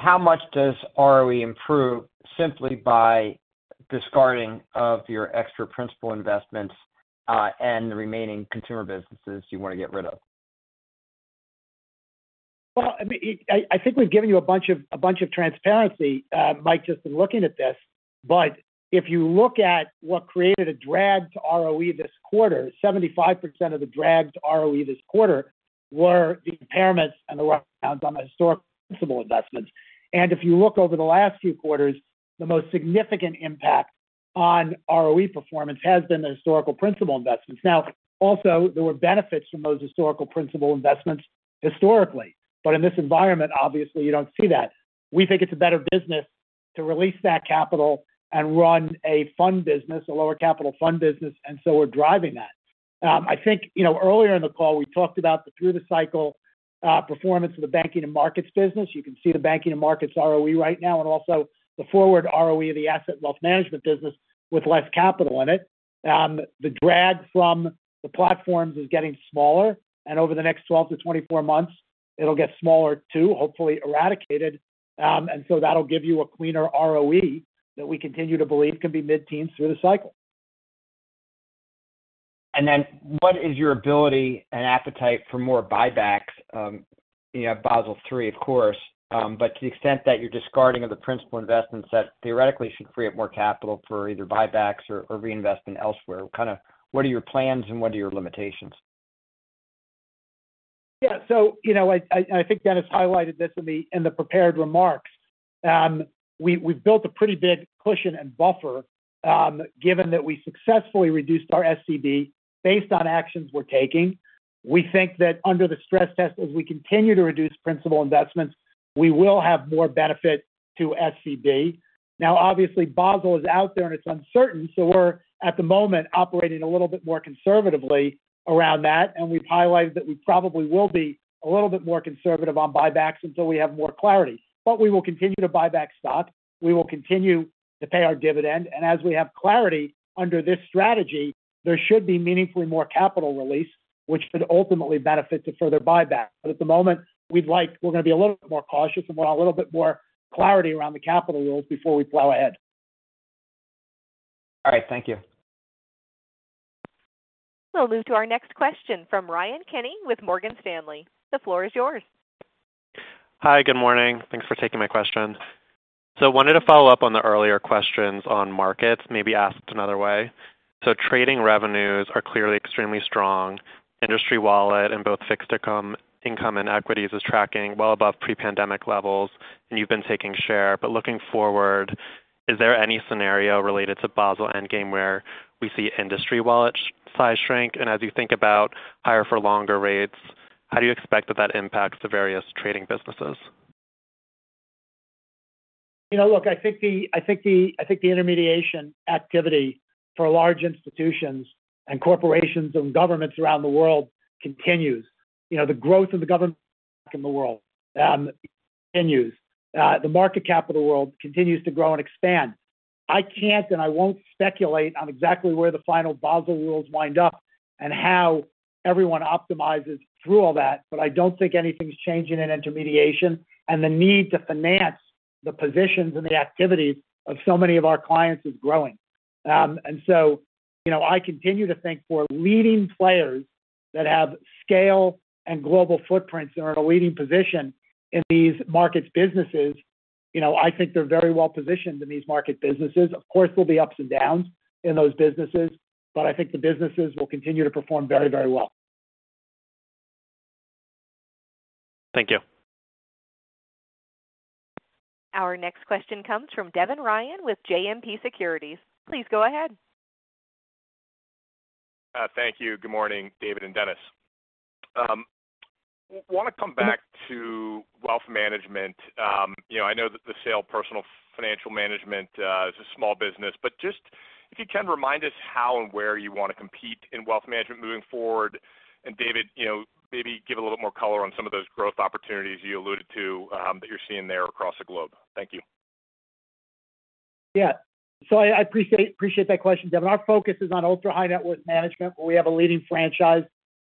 How much does ROE improve simply by discarding of your extra principal investments, and the remaining consumer businesses you want to get rid of? Well, I mean, I think we've given you a bunch of transparency, Mike, just in looking at this. But if you look at what created a drag to ROE this quarter, 75% of the drag to ROE this quarter were the impairments and the write-downs on the historical principal investments. And if you look over the last few quarters, the most significant impact on ROE performance has been the historical principal investments. Now, also, there were benefits from those historical principal investments historically, but in this environment, obviously, you don't see that. We think it's a better business to release that capital and run a fund business, a lower capital fund business, and so we're driving that. I think, you know, earlier in the call, we talked about the through the cycle performance of the banking and markets business. You can see the banking and markets ROE right now, and also the forward ROE of the Asset and Wealth Management business with less capital in it. The drag from the platforms is getting smaller, and over the next 12-24 months, it'll get smaller too, hopefully eradicated. So that'll give you a cleaner ROE that we continue to believe can be mid-teens through the cycle. And then what is your ability and appetite for more buybacks? You have Basel III, of course, but to the extent that you're discarding of the principal investments, that theoretically should create more capital for either buybacks or, or reinvestment elsewhere. Kind of what are your plans and what are your limitations? Yeah. So, you know, I think Dennis highlighted this in the prepared remarks. We've built a pretty big cushion and buffer, given that we successfully reduced our SCB based on actions we're taking. We think that under the stress test, as we continue to reduce principal investments, we will have more benefit to SCB. Now, obviously, Basel is out there, and it's uncertain, so we're, at the moment, operating a little bit more conservatively around that, and we've highlighted that we probably will be a little bit more conservative on buybacks until we have more clarity. But we will continue to buy back stock. We will continue to pay our dividend, and as we have clarity under this strategy, there should be meaningfully more capital release, which should ultimately benefit to further buyback. At the moment, we'd like. We're going to be a little bit more cautious, and we want a little bit more clarity around the capital rules before we plow ahead. All right. Thank you. We'll move to our next question from Ryan Kenny with Morgan Stanley. The floor is yours. Hi, good morning. Thanks for taking my question. So I wanted to follow up on the earlier questions on markets, maybe asked another way. So trading revenues are clearly extremely strong. Industry wallet in both fixed income, income and equities is tracking well above pre-pandemic levels, and you've been taking share. But looking forward, is there any scenario related to Basel Endgame where we see industry wallet size shrink? And as you think about higher for longer rates, how do you expect that that impacts the various trading businesses? You know, look, I think the intermediation activity for large institutions and corporations and governments around the world continues. You know, the growth of the government in the world continues. The market capital world continues to grow and expand. I can't, and I won't speculate on exactly where the final Basel rules wind up and how everyone optimizes through all that. But I don't think anything's changing in intermediation, and the need to finance the positions and the activities of so many of our clients is growing. And so, you know, I continue to think for leading players that have scale and global footprints and are in a leading position in these markets businesses, you know, I think they're very well positioned in these market businesses. Of course, there'll be ups and downs in those businesses, but I think the businesses will continue to perform very, very well. Thank you. Our next question comes from Devin Ryan with JMP Securities. Please go ahead. Thank you. Good morning, David and Denis. Wanna come back to wealth management. You know, I know that the sale of Personal Financial Management is a small business, but just if you can, remind us how and where you want to compete in wealth management moving forward. David, you know, maybe give a little more color on some of those growth opportunities you alluded to that you're seeing there across the globe. Thank you. Yeah. So I appreciate that question, Devin. Our focus is on ultra-high net worth management, where we have a leading franchise.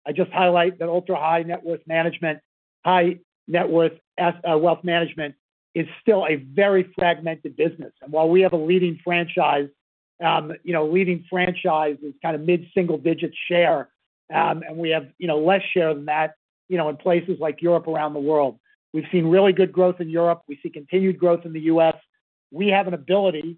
I just highlight that ultra-high net worth management, high net worth as, wealth management is still a very fragmented business. And while we have a leading franchise, you know, leading franchise is kind of mid-single digit share, and we have, you know, less share than that, you know, in places like Europe, around the world. We've seen really good growth in Europe. We see continued growth in the U.S. We have an ability,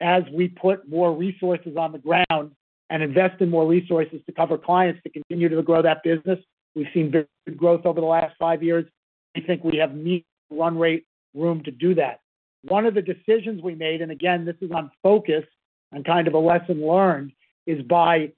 as we put more resources on the ground and invest in more resources to cover clients to continue to grow that business. We've seen very good growth over the last five years. We think we have net run rate room to do that. One of the decisions we made, and again, this is on focus and kind of a lesson learned, is by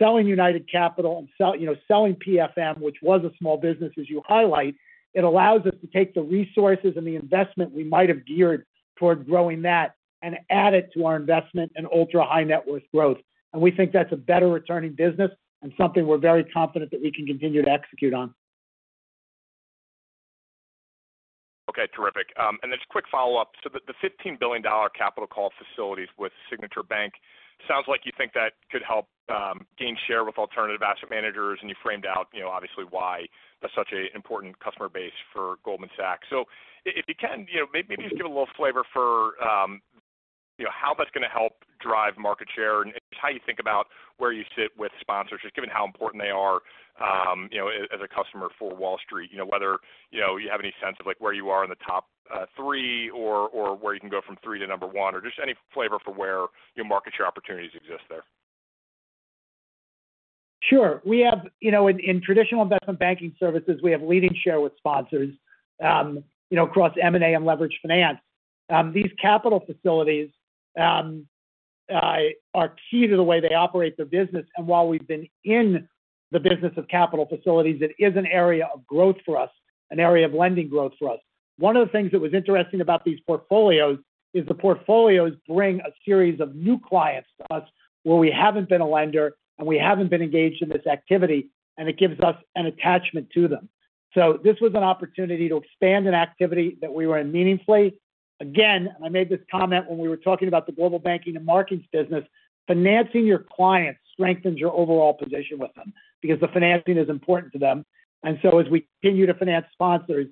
selling United Capital and, you know, selling PFM, which was a small business, as you highlight, it allows us to take the resources and the investment we might have geared toward growing that and add it to our investment in ultra-high net worth growth. We think that's a better returning business and something we're very confident that we can continue to execute on. Okay, terrific. And just a quick follow-up. So the fifteen billion dollar capital call facilities with Signature Bank, sounds like you think that could help gain share with alternative asset managers, and you framed out, you know, obviously, why that's such a important customer base for Goldman Sachs. So if you can, you know, maybe just give a little flavor for, you know, how that's gonna help drive market share and just how you think about where you sit with sponsors, just given how important they are, you know, as a customer for Wall Street. You know, whether you have any sense of like, where you are in the top three or where you can go from three to number one, or just any flavor for where your market share opportunities exist there. Sure. We have, you know, in, in traditional investment banking services, we have leading share with sponsors, you know, across M&A and leveraged finance. These capital facilities are key to the way they operate their business, and while we've been in the business of capital facilities, it is an area of growth for us, an area of lending growth for us. One of the things that was interesting about these portfolios is the portfolios bring a series of new clients to us, where we haven't been a lender, and we haven't been engaged in this activity, and it gives us an attachment to them. So this was an opportunity to expand an activity that we were in meaningfully. Again, and I made this comment when we were talking about the global banking and markets business, financing your clients strengthens your overall position with them because the financing is important to them. And so as we continue to finance sponsors,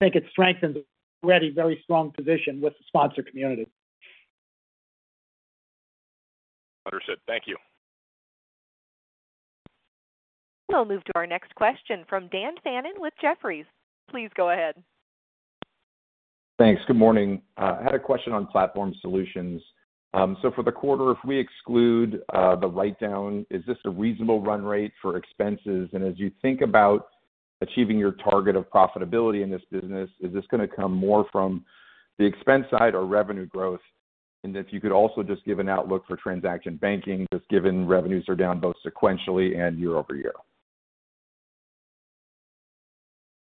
I think it strengthens an already very strong position with the sponsor community. Understood. Thank you. We'll move to our next question from Dan Fannon with Jefferies. Please go ahead. Thanks. Good morning. I had a question on Platform Solutions. So for the quarter, if we exclude the write-down, is this a reasonable run rate for expenses? And as you think about achieving your target of profitability in this business, is this gonna come more from the expense side or revenue growth? And if you could also just give an outlook for Transaction Banking, just given revenues are down both sequentially and year over year.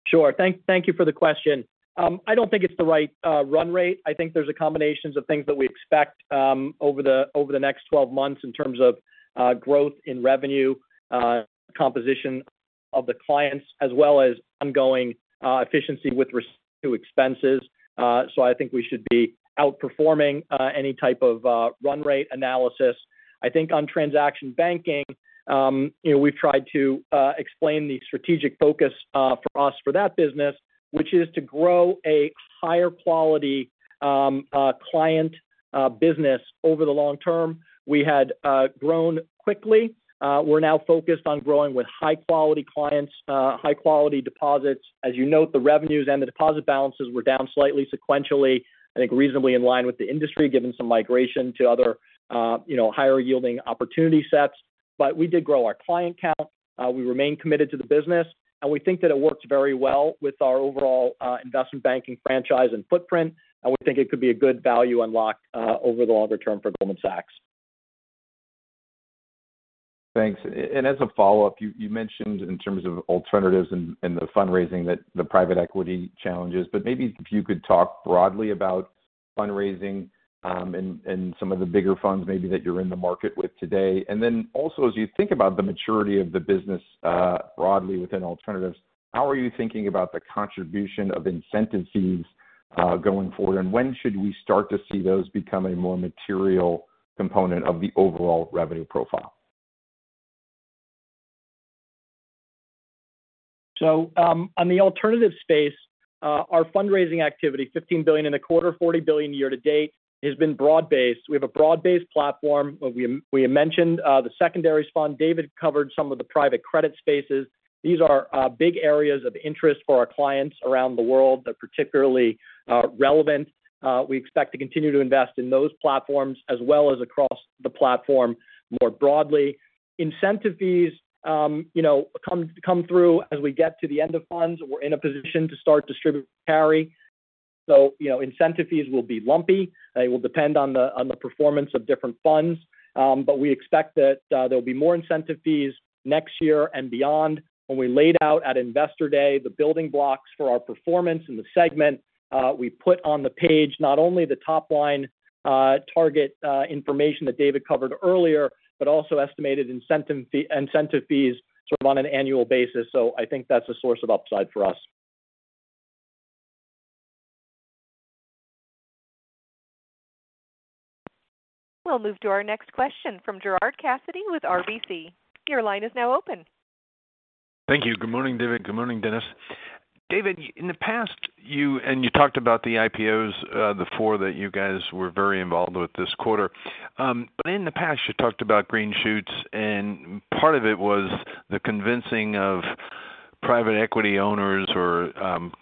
Sure. Thank you for the question. I don't think it's the right run rate. I think there's a combination of things that we expect over the next 12 months in terms of growth in revenue, composition of the clients, as well as ongoing efficiency with respect to expenses. So I think we should be outperforming any type of run rate analysis. I think on Transaction Banking, you know, we've tried to explain the strategic focus for us for that business, which is to grow a higher quality client business over the long term. We had grown quickly. We're now focused on growing with high-quality clients, high-quality deposits. As you note, the revenues and the deposit balances were down slightly sequentially, I think reasonably in line with the industry, given some migration to other, you know, higher yielding opportunity sets. But we did grow our client count. We remain committed to the business, and we think that it works very well with our overall, investment banking franchise and footprint. And we think it could be a good value unlocked, over the longer term for Goldman Sachs. Thanks. And as a follow-up, you mentioned in terms of alternatives and the fundraising that the private equity challenges, but maybe if you could talk broadly about fundraising, and some of the bigger funds maybe that you're in the market with today. And then also, as you think about the maturity of the business, broadly within alternatives, how are you thinking about the contribution of incentive fees, going forward? And when should we start to see those become a more material component of the overall revenue profile? ...So, on the alternative space, our fundraising activity, $15 billion in a quarter, $40 billion year to date, has been broad-based. We have a broad-based platform. We mentioned the secondaries fund. David covered some of the private credit spaces. These are big areas of interest for our clients around the world. They're particularly relevant. We expect to continue to invest in those platforms as well as across the platform more broadly. Incentive fees, you know, come through as we get to the end of funds. We're in a position to start distributing carry. So, you know, incentive fees will be lumpy. They will depend on the performance of different funds. But we expect that there'll be more incentive fees next year and beyond. When we laid out at Investor Day, the building blocks for our performance in the segment, we put on the page not only the top line, target, information that David covered earlier, but also estimated incentive fee- incentive fees sort of on an annual basis. So I think that's a source of upside for us. We'll move to our next question from Gerard Cassidy with RBC. Your line is now open. Thank you. Good morning, David. Good morning, Denis. David, in the past, you... and you talked about the IPOs, the four that you guys were very involved with this quarter. But in the past, you talked about green shoots, and part of it was the convincing of private equity owners or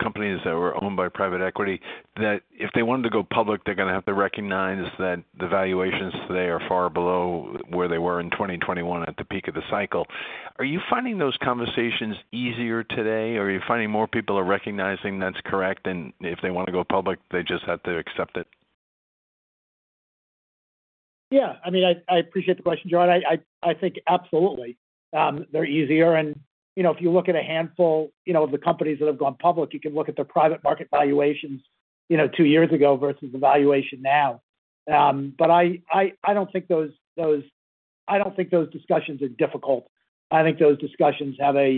companies that were owned by private equity, that if they wanted to go public, they're gonna have to recognize that the valuations today are far below where they were in 2021 at the peak of the cycle. Are you finding those conversations easier today, or are you finding more people are recognizing that's correct, and if they want to go public, they just have to accept it? Yeah, I mean, I appreciate the question, Gerard. I think absolutely, they're easier. And, you know, if you look at a handful, you know, of the companies that have gone public, you can look at their private market valuations, you know, two years ago versus the valuation now. But I don't think those discussions are difficult. I think those discussions have a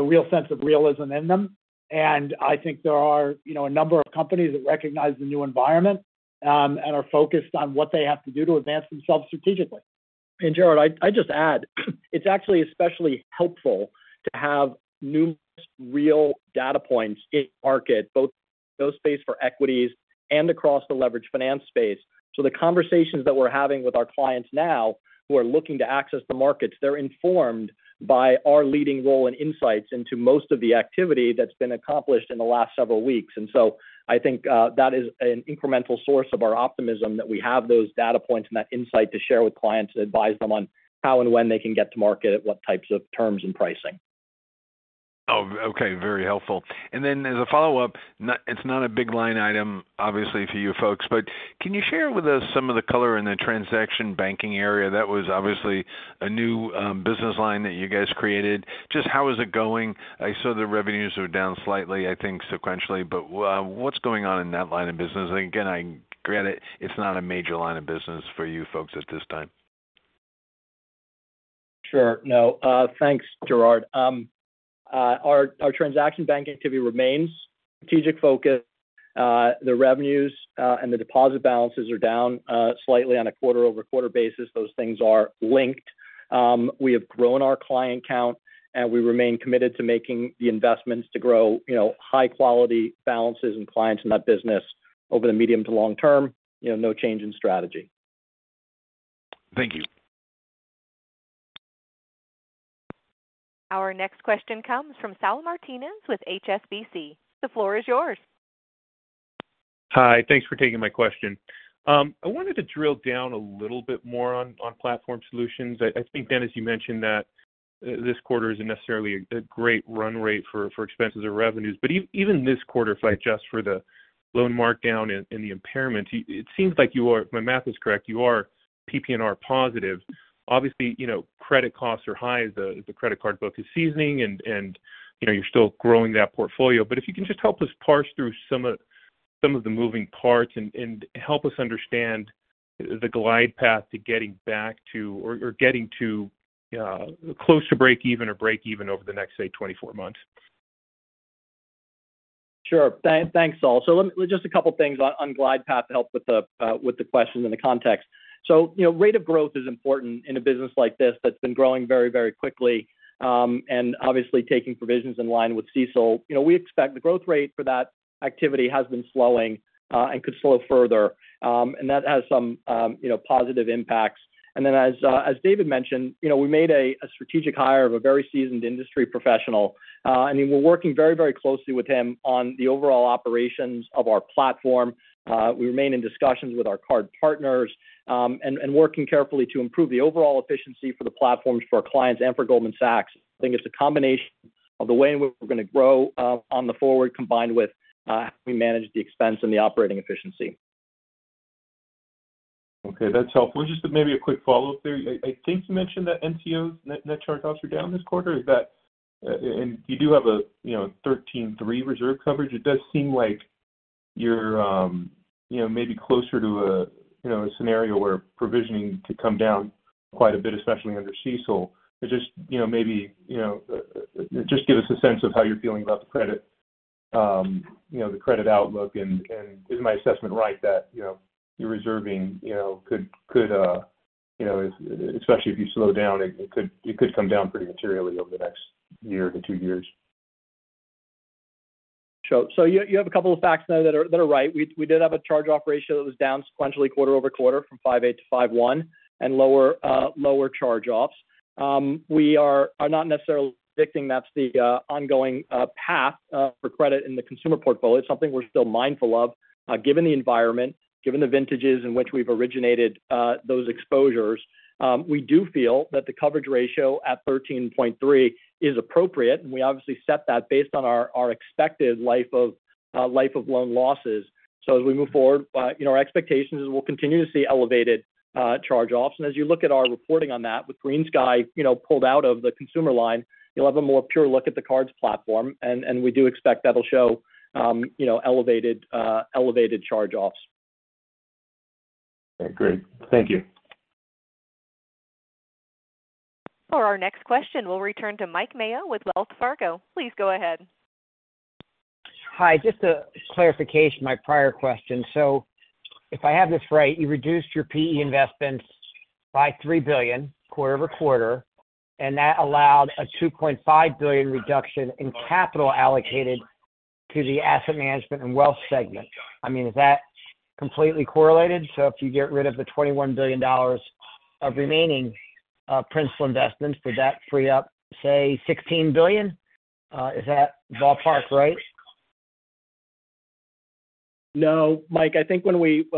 real sense of realism in them. And I think there are, you know, a number of companies that recognize the new environment, and are focused on what they have to do to advance themselves strategically. And Gerard, I just add, it's actually especially helpful to have numerous real data points in market, both those space for equities and across the leveraged finance space. So the conversations that we're having with our clients now, who are looking to access the markets, they're informed by our leading role and insights into most of the activity that's been accomplished in the last several weeks. And so I think, that is an incremental source of our optimism, that we have those data points and that insight to share with clients and advise them on how and when they can get to market, at what types of terms and pricing. Oh, okay. Very helpful. And then as a follow-up, it's not a big line item, obviously, for you folks, but can you share with us some of the color in the Transaction Banking area? That was obviously a new business line that you guys created. Just how is it going? I saw the revenues were down slightly, I think, sequentially, but what's going on in that line of business? Again, I grant it, it's not a major line of business for you folks at this time. Sure. No, thanks, Gerard. Our Transaction Banking activity remains strategic focus. The revenues and the deposit balances are down slightly on a quarter-over-quarter basis. Those things are linked. We have grown our client count, and we remain committed to making the investments to grow, you know, high-quality balances and clients in that business over the medium to long term. You know, no change in strategy. Thank you. Our next question comes from Saul Martinez with HSBC. The floor is yours. Hi. Thanks for taking my question. I wanted to drill down a little bit more on Platform Solutions. I think, Denis, you mentioned that this quarter isn't necessarily a great run rate for expenses or revenues. But even this quarter, if I adjust for the loan markdown and the impairment, it seems like you are, if my math is correct, PPNR positive. Obviously, you know, credit costs are high as the credit card book is seasoning and, you know, you're still growing that portfolio. But if you can just help us parse through some of the moving parts and help us understand the glide path to getting back to or getting to close to breakeven or breakeven over the next, say, 24 months. Sure. Thanks, Sal. So let me just a couple things on glide path to help with the question and the context. So you know, rate of growth is important in a business like this that's been growing very, very quickly, and obviously taking provisions in line with CECL. You know, we expect the growth rate for that activity has been slowing, and could slow further. And that has some, you know, positive impacts. And then as David mentioned, you know, we made a strategic hire of a very seasoned industry professional, and we're working very, very closely with him on the overall operations of our platform. We remain in discussions with our card partners, and working carefully to improve the overall efficiency for the platforms for our clients and for Goldman Sachs. I think it's a combination of the way we're gonna grow, on the forward, combined with, how we manage the expense and the operating efficiency. Okay, that's helpful. Just maybe a quick follow-up there. I think you mentioned that NCO, net charge-offs, are down this quarter. Is that, and you do have a, you know, 13.3 reserve coverage. It does seem like you're, you know, maybe closer to a, you know, a scenario where provisioning could come down quite a bit, especially under CECL. But just, you know, maybe, you know, just give us a sense of how you're feeling about the credit, you know, the credit outlook, and is my assessment right that, you know, your reserving, you know, could, could, you know, especially if you slow down, it could come down pretty materially over the next year to two years? So you have a couple of facts there that are right. We did have a charge-off ratio that was down sequentially, quarter-over-quarter, from 5.8 to 5.1, and lower charge-offs. We are not necessarily predicting that's the ongoing path for credit in the consumer portfolio. It's something we're still mindful of, given the environment, given the vintages in which we've originated those exposures. We do feel that the coverage ratio at 13.3 is appropriate, and we obviously set that based on our expected life of life of loan losses. So as we move forward, you know, our expectation is we'll continue to see elevated charge-offs. As you look at our reporting on that, with GreenSky, you know, pulled out of the consumer line, you'll have a more pure look at the cards platform. And we do expect that'll show, you know, elevated charge-offs. Okay, great. Thank you. For our next question, we'll return to Mike Mayo with Wells Fargo. Please go ahead. Hi, just a clarification, my prior question. So if I have this right, you reduced your PE investments by $3 billion quarter over quarter, and that allowed a $2.5 billion reduction in capital allocated to the asset management and wealth segment. I mean, is that completely correlated? So if you get rid of the $21 billion of remaining principal investments, would that free up, say, $16 billion? Is that ballpark, right? No, Mike, I think when we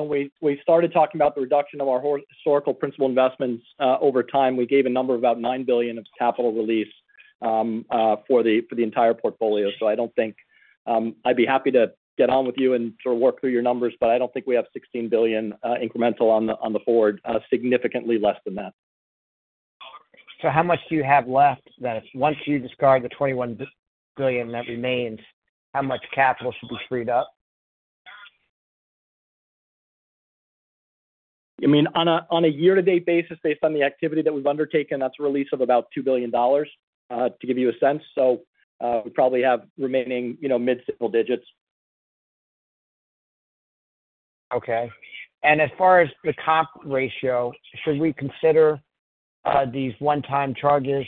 started talking about the reduction of our historical principal investments over time, we gave a number of about $9 billion of capital release for the entire portfolio. So I don't think... I'd be happy to get on with you and sort of work through your numbers, but I don't think we have $16 billion incremental on the forward. Significantly less than that. How much do you have left then? Once you discard the $21 billion that remains, how much capital should be freed up? I mean, on a year-to-date basis, based on the activity that we've undertaken, that's a release of about $2 billion to give you a sense. So, we probably have remaining, you know, mid-single digits. Okay. And as far as the comp ratio, should we consider these one-time charges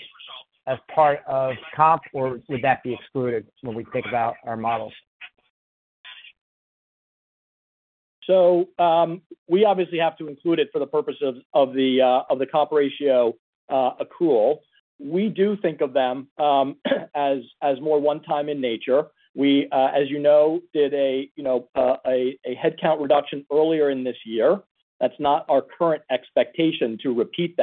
as part of comp, or would that be excluded when we think about our models? So, we obviously have to include it for the purpose of the comp ratio accrual. We do think of them as more one time in nature. We, as you know, did a headcount reduction earlier in this year. That's not our current expectation to repeat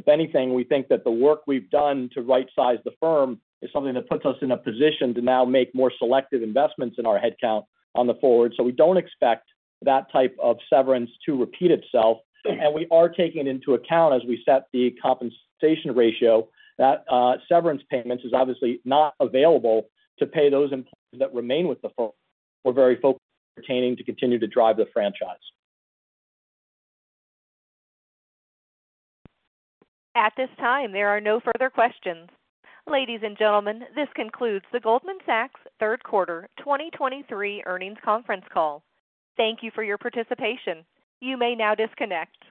that. If anything, we think that the work we've done to rightsize the firm is something that puts us in a position to now make more selective investments in our headcount on the forward. So we don't expect that type of severance to repeat itself, and we are taking into account as we set the compensation ratio, that severance payments is obviously not available to pay those employees that remain with the firm. We're very focused on retaining to continue to drive the franchise. At this time, there are no further questions. Ladies and gentlemen, this concludes the Goldman Sachs third quarter 2023 earnings conference call. Thank you for your participation. You may now disconnect.